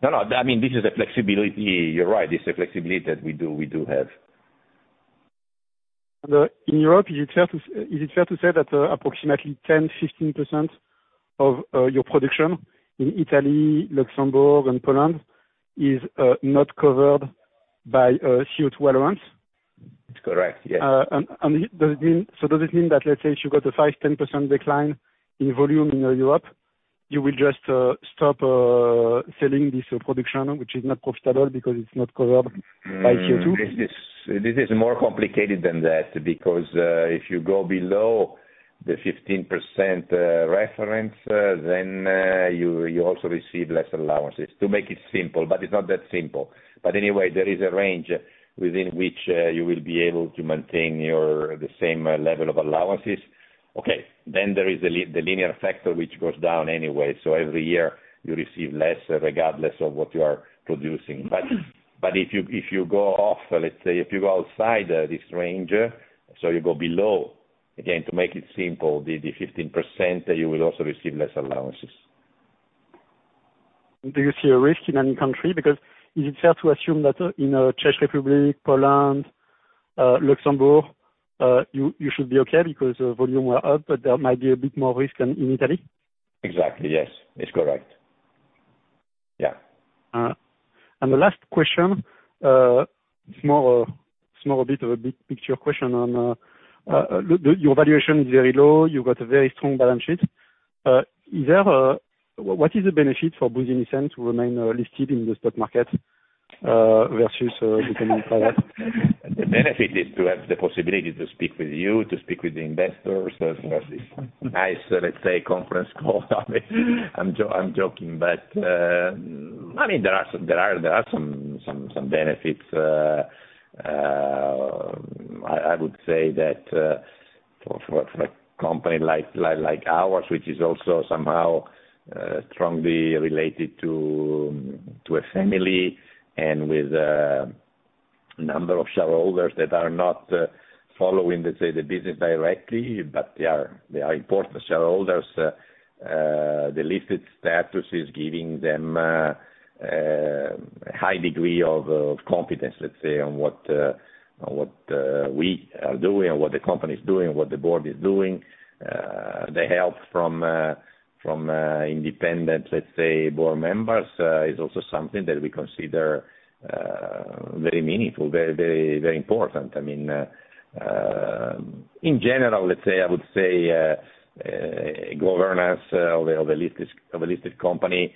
No, no. I mean, this is a flexibility. You're right. This is a flexibility that we do have. In Europe, is it fair to say that approximately 10%-15% of your production in Italy, Luxembourg and Poland is not covered by CO2 allowance? It's correct, yes. Does it mean that, let's say, if you've got a 5%-10% decline in volume in Europe, you will just stop selling this production, which is not profitable because it's not covered by CO2? This is more complicated than that because if you go below the 15% reference, then you also receive less allowances. To make it simple, but it's not that simple. Anyway, there is a range within which you will be able to maintain the same level of allowances. Okay. Then there is the linear factor, which goes down anyway. Every year you receive less, regardless of what you are producing. If you go off, let's say if you go outside this range, so you go below, again, to make it simple, the 15%, you will also receive less allowances. Do you see a risk in any country? Because is it fair to assume that in Czech Republic, Poland, Luxembourg, you should be okay because volume were up, but there might be a bit more risk than in Italy? Exactly, yes. It's correct. Yeah. The last question, small bit of a big picture question on your valuation is very low. You've got a very strong balance sheet. What is the benefit for Buzzi in a sense to remain listed in the stock market versus becoming private? The benefit is to have the possibility to speak with you, to speak with the investors, to have this nice, let's say, conference call. I'm joking, but I mean, there are some benefits. I would say that for a company like ours, which is also somehow strongly related to a family and with a number of shareholders that are not following, let's say, the business directly, but they are important shareholders. The listed status is giving them high degree of competence, let's say, on what we are doing and what the company is doing and what the board is doing. The help from independent, let's say, board members is also something that we consider very meaningful, very important. I mean, in general, let's say, I would say, governance of a listed company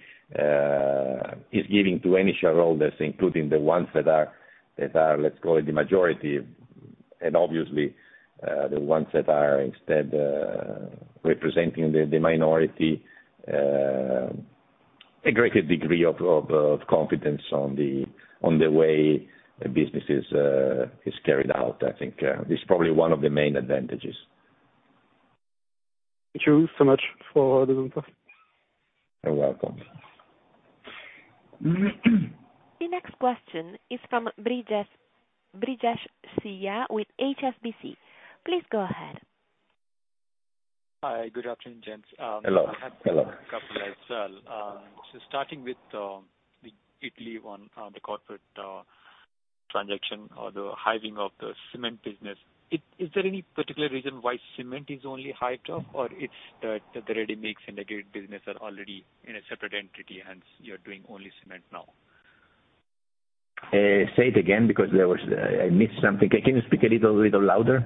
is giving to any shareholders, including the ones that are, let's call it, the majority, and obviously, the ones that are instead representing the minority a greater degree of competence on the way the business is carried out. I think this is probably one of the main advantages. Thank you so much for the input. You're welcome. The next question is from Brijesh Siya with HSBC. Please go ahead. Hi, good afternoon, gents. Hello. Hello. I have a couple as well. Starting with the Italy one, the corporate transaction or the hiving of the cement business. Is there any particular reason why cement is only hived off or it's the ready-mix integrated business are already in a separate entity, and you're doing only cement now? Say it again because there was, I missed something. Can you speak a little louder?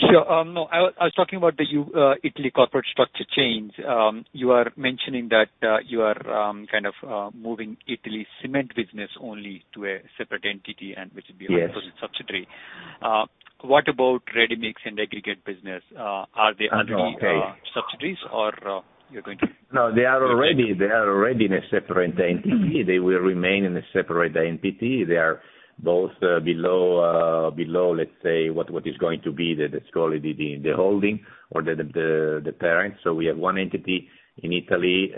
Sure. No. I was talking about the Italy corporate structure change. You are mentioning that you are kind of moving Italy cement business only to a separate entity, and which will be- Yes. -your subsidiary. What about ready-mix and aggregate business? Are they already— Okay. — subsidiaries or you're going to— No, they are already in a separate entity. They will remain in a separate entity. They are both below, let's say, what is going to be the, let's call it, the holding or the parent. We have one entity in Italy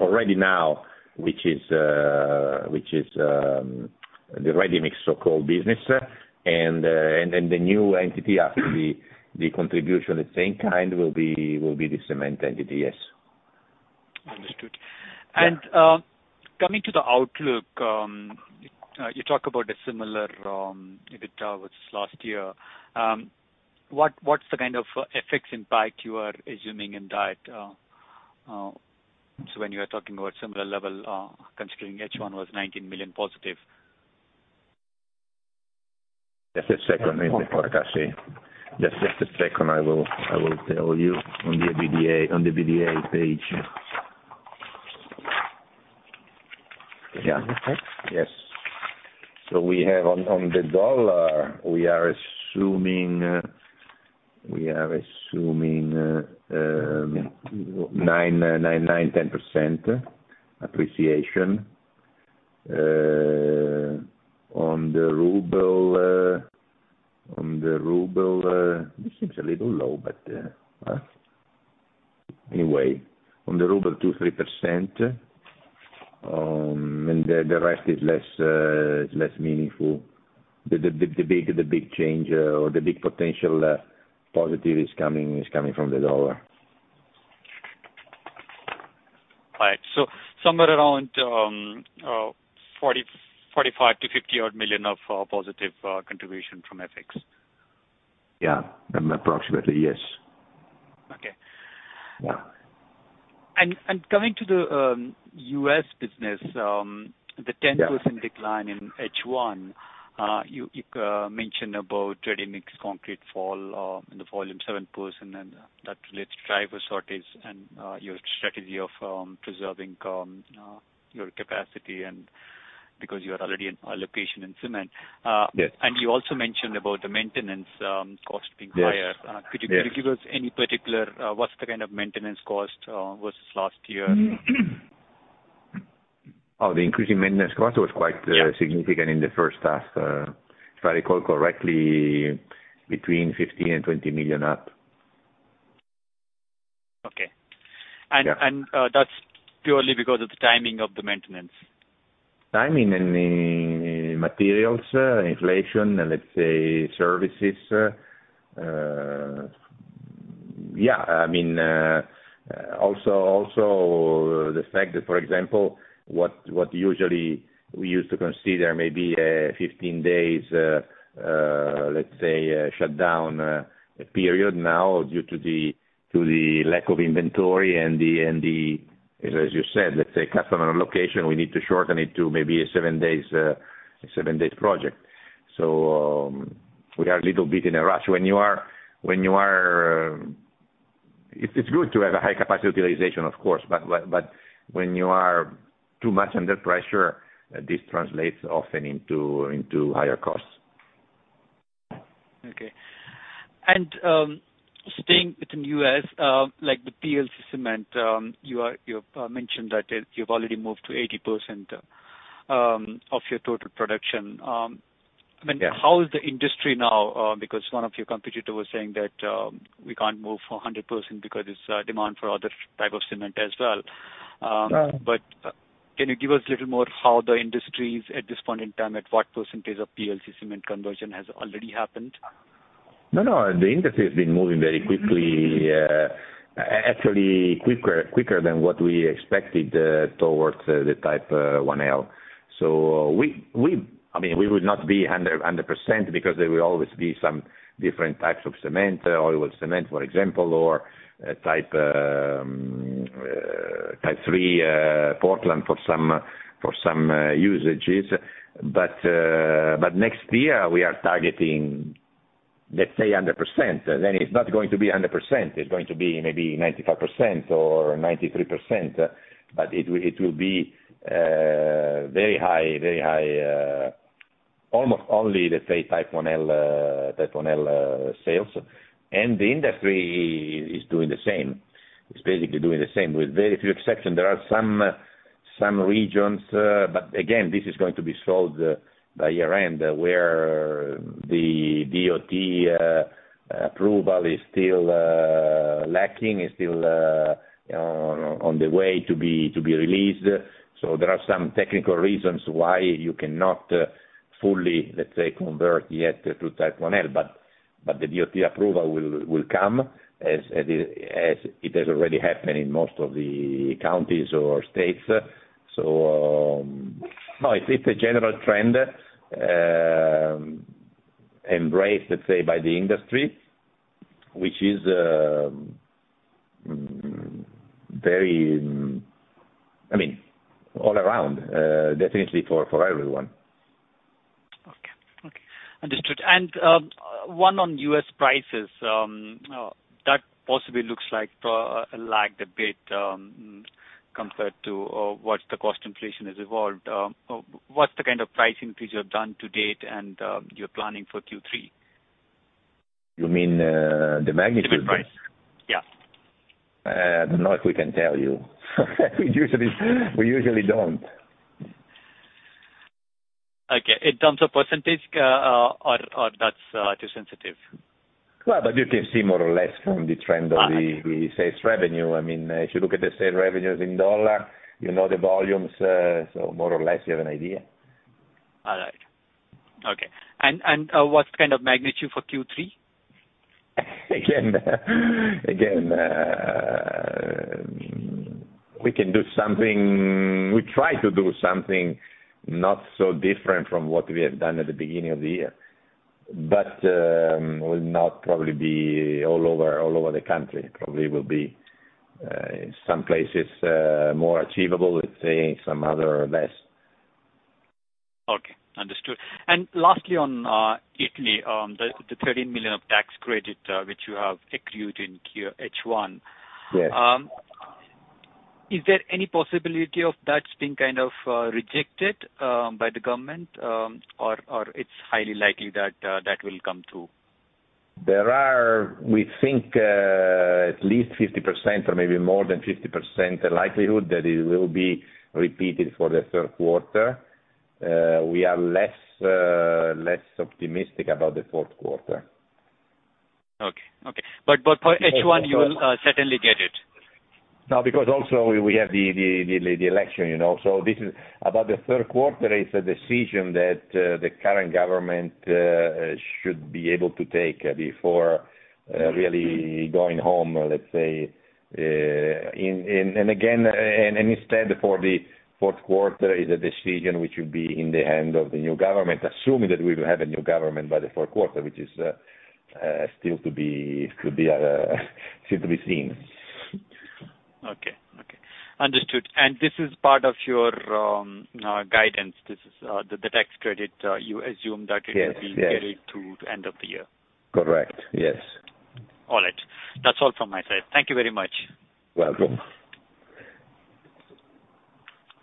already now, which is the ready-mix so-called business. Then the new entity after the contribution of the same kind will be the cement entity, yes. Understood. Yeah. Coming to the outlook, you talk about a similar EBITDA versus last year. What's the kind of FX impacts you are assuming in that, so when you are talking about similar level, considering H1 was 19 million positive. Just a second. Let me pull it, I see. Just a second, I will tell you on the EBITDA page. Yeah. Okay. Yes. We have on the dollar we are assuming 9%-10% appreciation. On the ruble this seems a little low, but anyway. On the ruble 2%-3%. The rest is less meaningful. The big change or the big potential positive is coming from the dollar. Right. Somewhere around 45 million-50-odd million of positive contribution from FX. Yeah. Approximately, yes. Okay. Yeah. Coming to the U.S. business. Yeah. The 10% decline in H1, you mentioned about ready-mix concrete fell in the volume 7%, and that relates to driver shortage and your strategy of preserving your capacity and because you are already in allocation in cement. Yes. You also mentioned about the maintenance cost being higher. Yes. Yes. Could you give us any particular, what's the kind of maintenance cost versus last year? Oh, the increase in maintenance cost was quite significant in the first half. If I recall correctly, between 15 million and 20 million up. Okay. Yeah. That's purely because of the timing of the maintenance? Timing and the materials inflation, let's say services. Yeah, I mean, also the fact that, for example, what usually we used to consider maybe a 15 days shutdown period now due to the lack of inventory and the customer location, we need to shorten it to maybe a seven days project. We are a little bit in a rush. It's good to have a high capacity utilization of course, but when you are too much under pressure, this translates often into higher costs. Okay. Staying within U.S., like the Portland-Limestone Cement, you've mentioned that you've already moved to 80% of your total production. Yeah. I mean, how is the industry now? Because one of your competitor was saying that we can't move for 100% because it's demand for other type of cement as well. Yeah. Can you give us a little more how the industry is at this point in time, at what percentage of Portland-Limestone Cement conversion has already happened? No, no. The industry has been moving very quickly, actually quicker than what we expected, towards Type IL. I mean, we would not be 100% because there will always be some different types of cement, oil well cement, for example, or Type III Portland for some usages. But next year we are targeting, let's say 100%. Then it's not going to be 100%. It's going to be maybe 95% or 93%. But it will be very high. Almost only, let's say, Type IL sales. The industry is doing the same. It's basically doing the same with very few exceptions. There are some regions, but again, this is going to be solved by year-end, where the DOT approval is still lacking, is still on the way to be released. There are some technical reasons why you cannot fully, let's say, convert yet to Type IL. The DOT approval will come as it has already happened in most of the counties or states. No, it's a general trend embraced, let's say, by the industry, which is very, I mean, all around, definitely for everyone. Okay. Understood. One on U.S. prices, that possibly looks like lagged a bit, compared to what the cost inflation has evolved. What's the kind of pricing fees you have done to date and you're planning for Q3? You mean, the magnitude? The price. Yeah. I don't know if we can tell you. We usually don't. Okay. In terms of percentage, or that's too sensitive? Well, you can see more or less from the trend of the sales revenue. I mean, if you look at the sales revenues in dollar, you know the volumes, so more or less you have an idea. All right. Okay. What's kind of magnitude for Q3? Again, we can do something, we try to do something not so different from what we have done at the beginning of the year. Will not probably be all over the country. Probably will be some places more achievable, let's say, some other less. Okay. Understood. Lastly on Italy, the 13 million of tax credit which you have accrued in Q1. Yes. Is there any possibility of that being kind of rejected by the government, or it's highly likely that that will come through? There are, we think, at least 50% or maybe more than 50% likelihood that it will be repeated for the third quarter. We are less optimistic about the fourth quarter. For H1 you will certainly get it? No, because also we have the election, you know. This is about the third quarter, it's a decision that the current government should be able to take before really going home, let's say. Instead for the fourth quarter is a decision which will be in the hands of the new government, assuming that we will have a new government by the fourth quarter, which is still to be seen. Okay. Understood. This is part of your guidance. This is the tax credit you assume that it— Yes. Yes. — will be carried through to end of the year. Correct. Yes. All right. That's all from my side. Thank you very much. Welcome.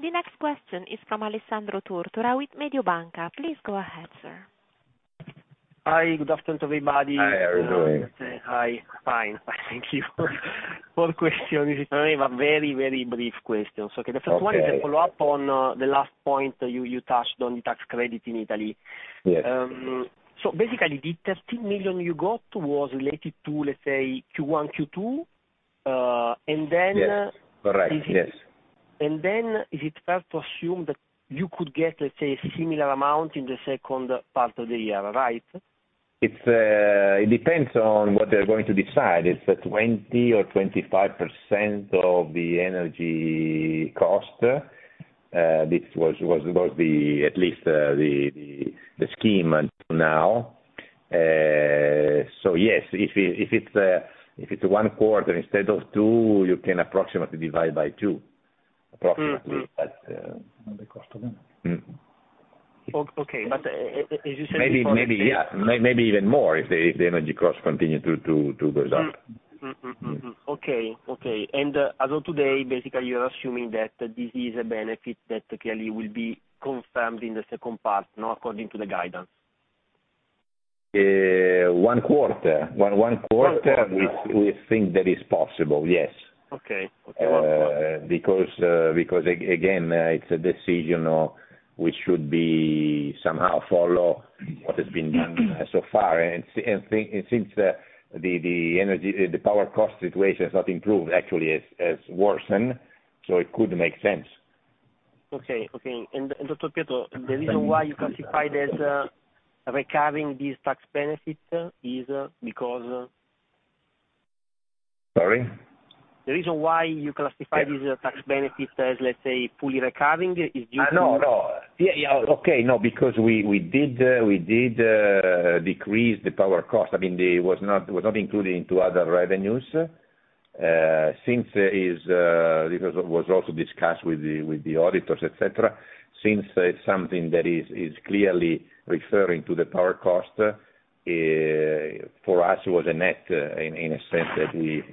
The next question is from Alessandro Tortora with Mediobanca. Please go ahead, sir. Hi. Good afternoon, everybody. Hi, Alessandro. Hi. Fine. Thank you for questions. I have a very, very brief questions. Okay. Okay. The first one is a follow-up on the last point you touched on the tax credit in Italy. Yes. Basically the 13 million you got was related to, let's say, Q1, Q2. Yes. -and then- Correct. Yes. Is it fair to assume that you could get, let's say, a similar amount in the second part of the year, right? It depends on what they're going to decide. It's at 20% or 25% of the energy cost. This was about the scheme until now, at least. Yes, if it's one quarter instead of two, you can approximately divide by two. Mm-hmm. Approximately, that's the— Cost of it. Mm-hmm. Okay. As you said before. Maybe, yeah. Maybe even more if the energy costs continue to goes up. Mm. Mm-mm, mm-mm. Okay. As of today, basically you are assuming that this is a benefit that clearly will be confirmed in the second part now according to the guidance. One quarter. One quarter. We think that is possible, yes. Okay, one quarter. Because it's a decision of which should be somehow follow what has been done so far. It seems that the power cost situation has not improved, actually, it's worsened, so it could make sense. Dr. Pietro, the reason why you classified these tax benefits as recurring is because... Sorry? The reason why you classified these tax benefits as, let's say, fully recurring is due to? No, no. Yeah, yeah. Okay, no. Because we did decrease the power cost. I mean, it was not included into other revenues. Because it was also discussed with the auditors, et cetera. Since it's something that is clearly referring to the power cost, for us it was a net in a sense that we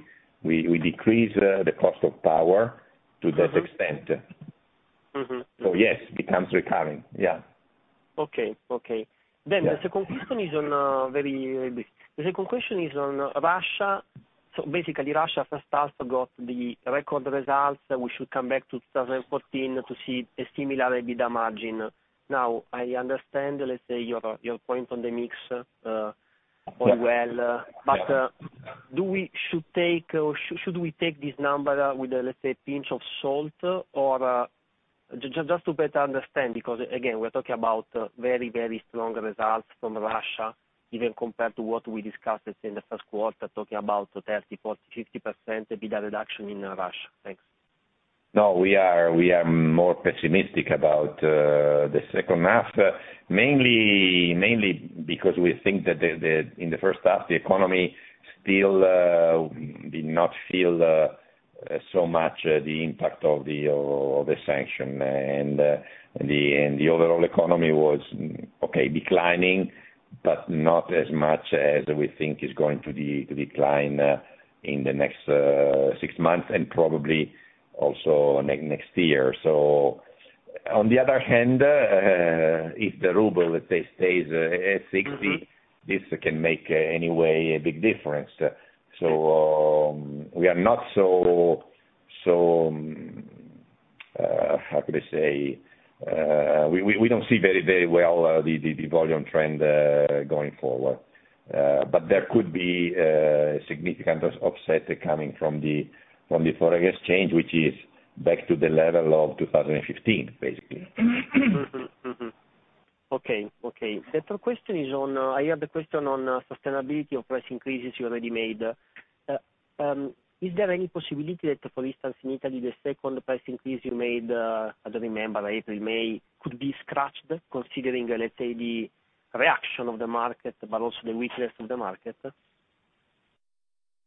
decrease the cost of power to that extent. Mm-hmm. Yes, becomes recurring. Yeah. Okay. Okay. Yeah. The second question is on Russia. Basically Russia first half got the record results, that we should come back to 2014 to see a similar EBITDA margin. Now, I understand, let's say, your point on the mix, on well- Yeah. Should we take this number with a, let's say, pinch of salt? Or, just to better understand, because again, we're talking about very, very strong results from Russia even compared to what we discussed, let's say, in the first quarter, talking about 30%, 40%, 50% EBITDA reduction in Russia. Thanks. No, we are more pessimistic about the second half. Mainly because we think that in the first half, the economy still did not feel so much the impact of the sanction. The overall economy was okay declining, but not as much as we think is going to decline in the next six months, and probably also next year. On the other hand, if the ruble, let's say, stays at 60- Mm-hmm. This can make anyway a big difference. We don't see very well the volume trend going forward. There could be significant offset coming from the foreign exchange, which is back to the level of 2015, basically. The third question is on sustainability of price increases you already made. Is there any possibility that, for instance, in Italy, the second price increase you made, I don't remember, April, May, could be scratched considering, let's say, the reaction of the market, but also the weakness of the market?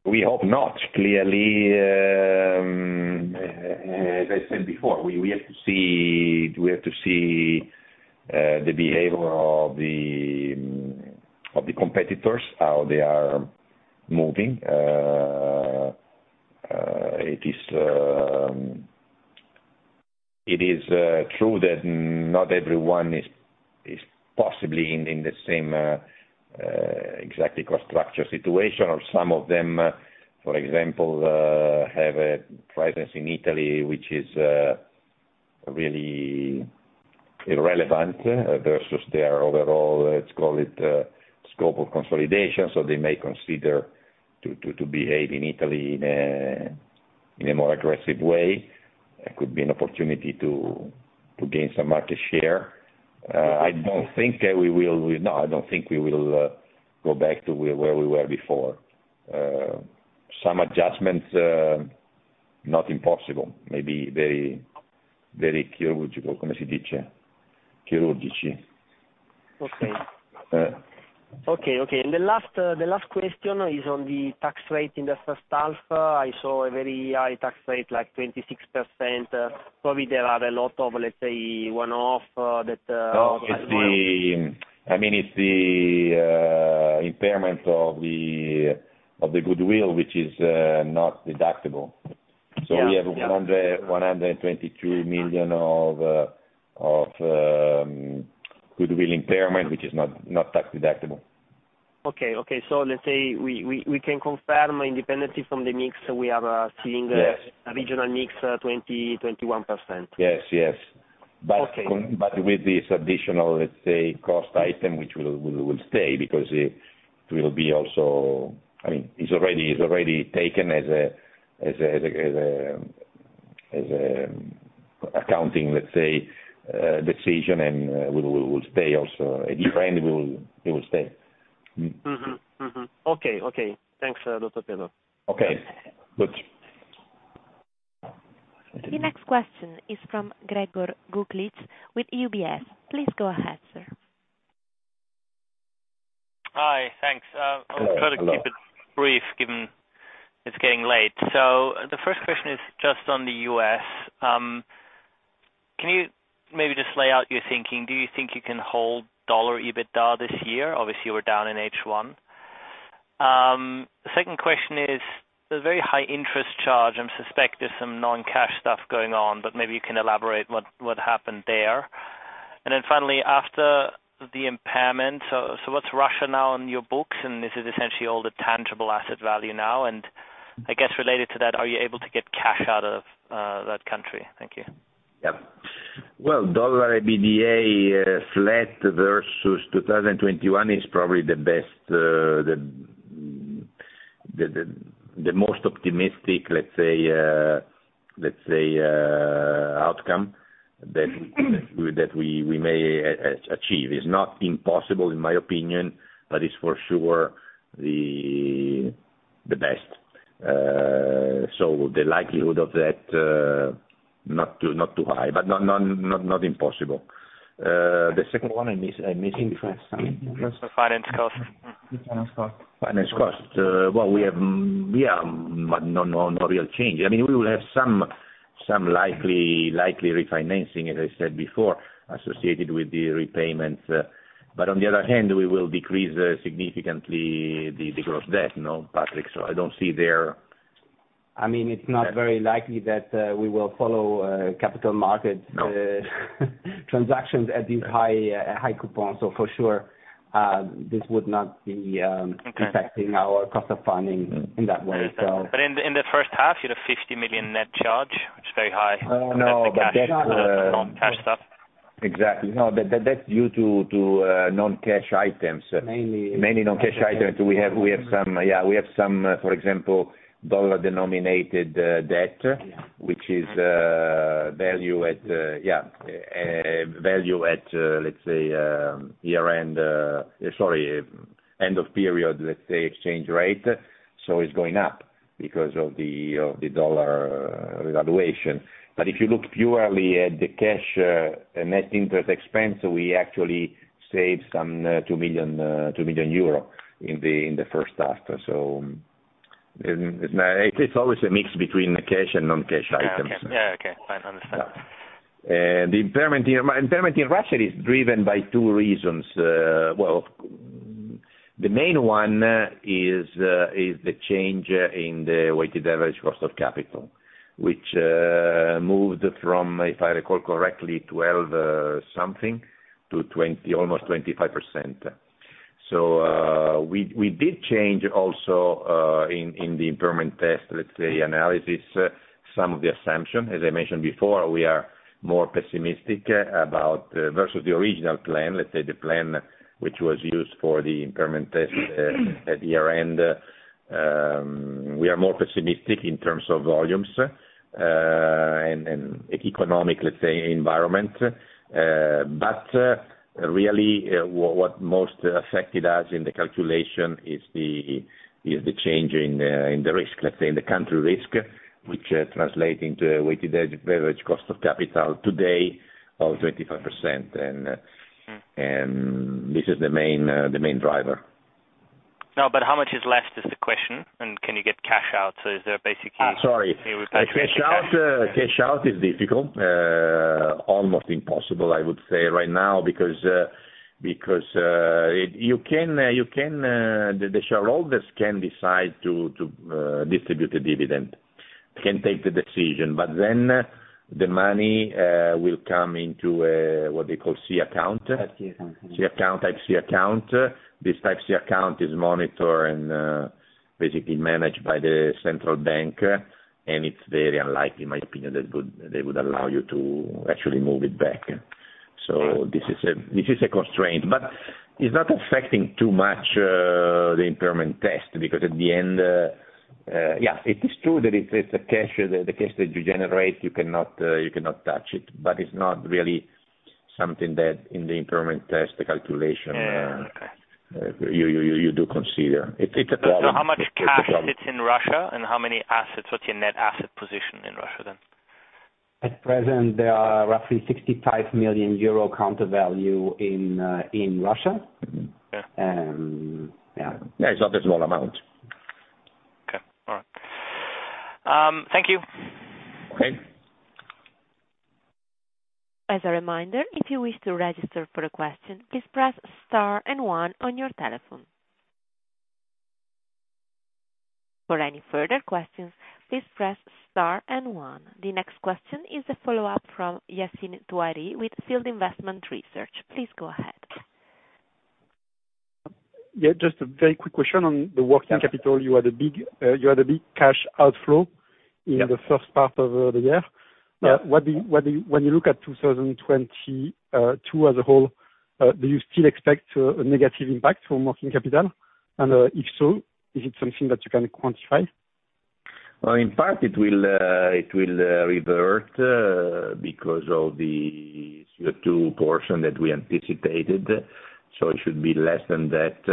We hope not. Clearly, as I said before, we have to see the behavior of the competitors, how they are moving. It is true that not everyone is possibly in the same exactly cost structure situation or some of them, for example, have a presence in Italy, which is really irrelevant versus their overall, let's call it, scope of consolidation. So they may consider to behave in Italy in a more aggressive way. It could be an opportunity to gain some market share. I don't think that we will go back to where we were before. Some adjustments, not impossible. Maybe very surgical. Okay. Yeah. The last question is on the tax rate in the first half. I saw a very high tax rate, like 26%. Probably there are a lot of, let's say, one-off that No, it's the impairment of the goodwill, which is not deductible. Yeah. Yeah. We have 123 million of goodwill impairment, which is not tax deductible. Okay. Let's say we can confirm independently from the mix, we are seeing— Yes. — a regional mix, 20%-21%. Yes. Yes. With this additional, let's say, cost item, which will stay because it will be also. I mean, it's already taken as an accounting, let's say, decision and will stay also. At year-end, it will stay. Mm-hmm. Mm-hmm. Okay. Okay. Thanks, Dr. Pietro. Okay. Good. The next question is from Gregor Kuglitsch with UBS. Please go ahead, sir. Hi. Thanks. I'll try to keep it brief, given it's getting late. The first question is just on the U.S. Can you maybe just lay out your thinking? Do you think you can hold dollar EBITDA this year? Obviously, you were down in H1. The second question is the very high interest charge. I suspect there's some non-cash stuff going on, but maybe you can elaborate what happened there. Finally, after the impairment, what's Russia now on your books? Is it essentially all the tangible asset value now? I guess related to that, are you able to get cash out of that country? Thank you. Yep. Well, dollar EBITDA flat versus 2021 is probably the best, the most optimistic, let's say, outcome that we may achieve. It's not impossible, in my opinion, but it's for sure the best. The likelihood of that not too high, but not impossible. The second one I'm missing the first one. That's the finance cost. The finance cost. Finance cost. Well, we have but no real change. I mean, we will have some likely refinancing, as I said before, associated with the repayment. But on the other hand, we will decrease significantly the gross debt, no, Patrick. I don't see there. I mean, it's not very likely that we will follow capital markets. No. Transactions at these high coupons. For sure, this would not be— Okay. — affecting our cost of funding in that way, so. In the first half, you had a 50 million net charge, which is very high. Oh, no. That's the cash, non-cash stuff. Exactly. No, that's due to non-cash items. Mainly. Mainly non-cash items. We have some, for example, dollar-denominated debt. Yeah. Which is value at, let's say, year-end, sorry, end of period, let's say, exchange rate. It's going up because of the dollar revaluation. If you look purely at the cash net interest expense, we actually saved some 2 million euro in the first half. It's always a mix between the cash and non-cash items. Yeah. Okay. Fine. Understand. The impairment in Russia is driven by two reasons. The main one is the change in the weighted average cost of capital, which moved from, if I recall correctly, 12% something to 20%, almost 25%. We did change also in the impairment test, let's say, analysis some of the assumption. As I mentioned before, we are more pessimistic about versus the original plan, let's say the plan which was used for the impairment test at year-end. We are more pessimistic in terms of volumes and economic, let's say, environment. Really, what most affected us in the calculation is the change in the risk, let's say in the country risk, which translate into a weighted average cost of capital today of 25%. This is the main driver. No, but how much is left is the question. Can you get cash out? Is there basically- Sorry. Any repatriation. Cash out is difficult. Almost impossible, I would say right now because the shareholders can decide to distribute a dividend, can take the decision, but then the money will come into what they call C account. Type C account, yes. Type C account. This type C account is monitored and, basically managed by the central bank. It's very unlikely, in my opinion, that they would allow you to actually move it back. This is a constraint, but it's not affecting too much the impairment test because at the end, yeah, it is true that it's a cash, the cash that you generate, you cannot touch it, but it's not really something that in the impairment test calculation. Yeah. Okay. You do consider. It's a problem. It's a problem. How much cash sits in Russia and how many assets? What's your net asset position in Russia then? At present, there are roughly 65 million euro counter value in Russia. Okay. Yeah. Yeah. It's not a small amount. Okay. All right. Thank you. Okay. As a reminder, if you wish to register for a question, please press star and one on your telephone. For any further questions, please press star and one. The next question is a follow-up from Yassine Touahri with On Field Investment Research. Please go ahead. Yeah, just a very quick question on the working capital. You had a big cash outflow— Yeah. — in the first part of the year. Yeah. When you look at 2022 as a whole, do you still expect a negative impact from working capital? If so, is it something that you can quantify? In part it will revert because of the CO2 portion that we anticipated. It should be less than that.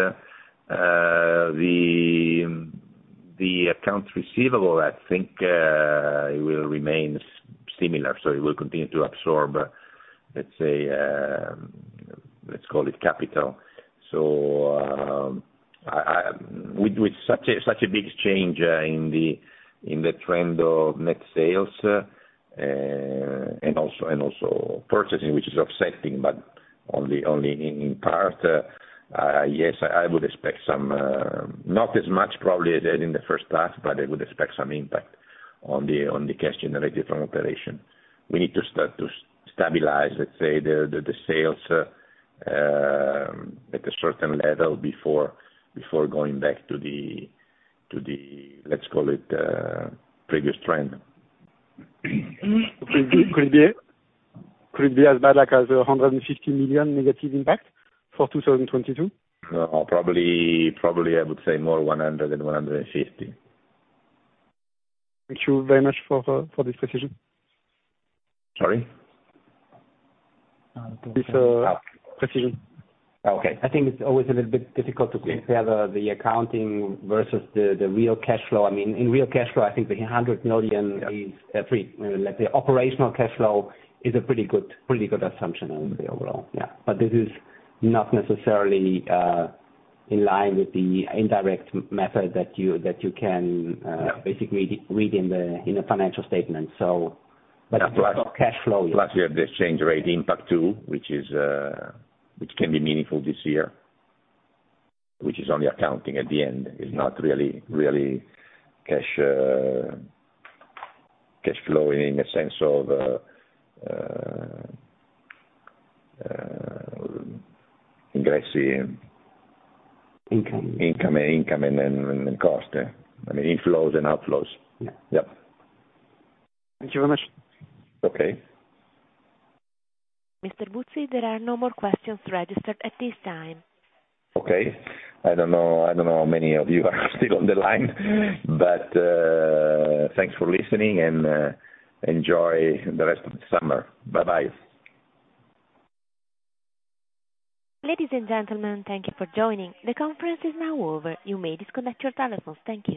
The account receivable, I think, it will remain similar. It will continue to absorb, let's say, let's call it capital. With such a big change in the trend of net sales and also purchasing which is offsetting, but only in part. Yes, I would expect some, not as much probably as in the first half, but I would expect some impact on the cash generated from operation. We need to start to stabilize, let's say, the sales at a certain level before going back to the, let's call it, previous trend. Could it be as bad like as 150 million negative impact for 2022? No. Probably I would say more 100 million than 150 million. Thank you very much for this precision. Sorry? This precision. Oh, okay. I think it's always a little bit difficult to compare the accounting versus the real cash flow. I mean, in real cash flow, I think the 100 million is like, the operational cash flow is a pretty good assumption on the overall. Yeah. This is not necessarily in line with the indirect method that you can. Yeah. Basically, read in the financial statement. Plus, you have the exchange rate impact too, which can be meaningful this year, which is only accounting at the end. It's not really cash flowing in a sense of the— Income. Income and cost. I mean, inflows and outflows. Yeah. Yeah. Thank you very much. Okay. Mr. Buzzi, there are no more questions registered at this time. Okay. I don't know how many of you are still on the line. Thanks for listening and enjoy the rest of the summer. Bye-bye. Ladies and gentlemen, thank you for joining. The conference is now over. You may disconnect your telephones. Thank you.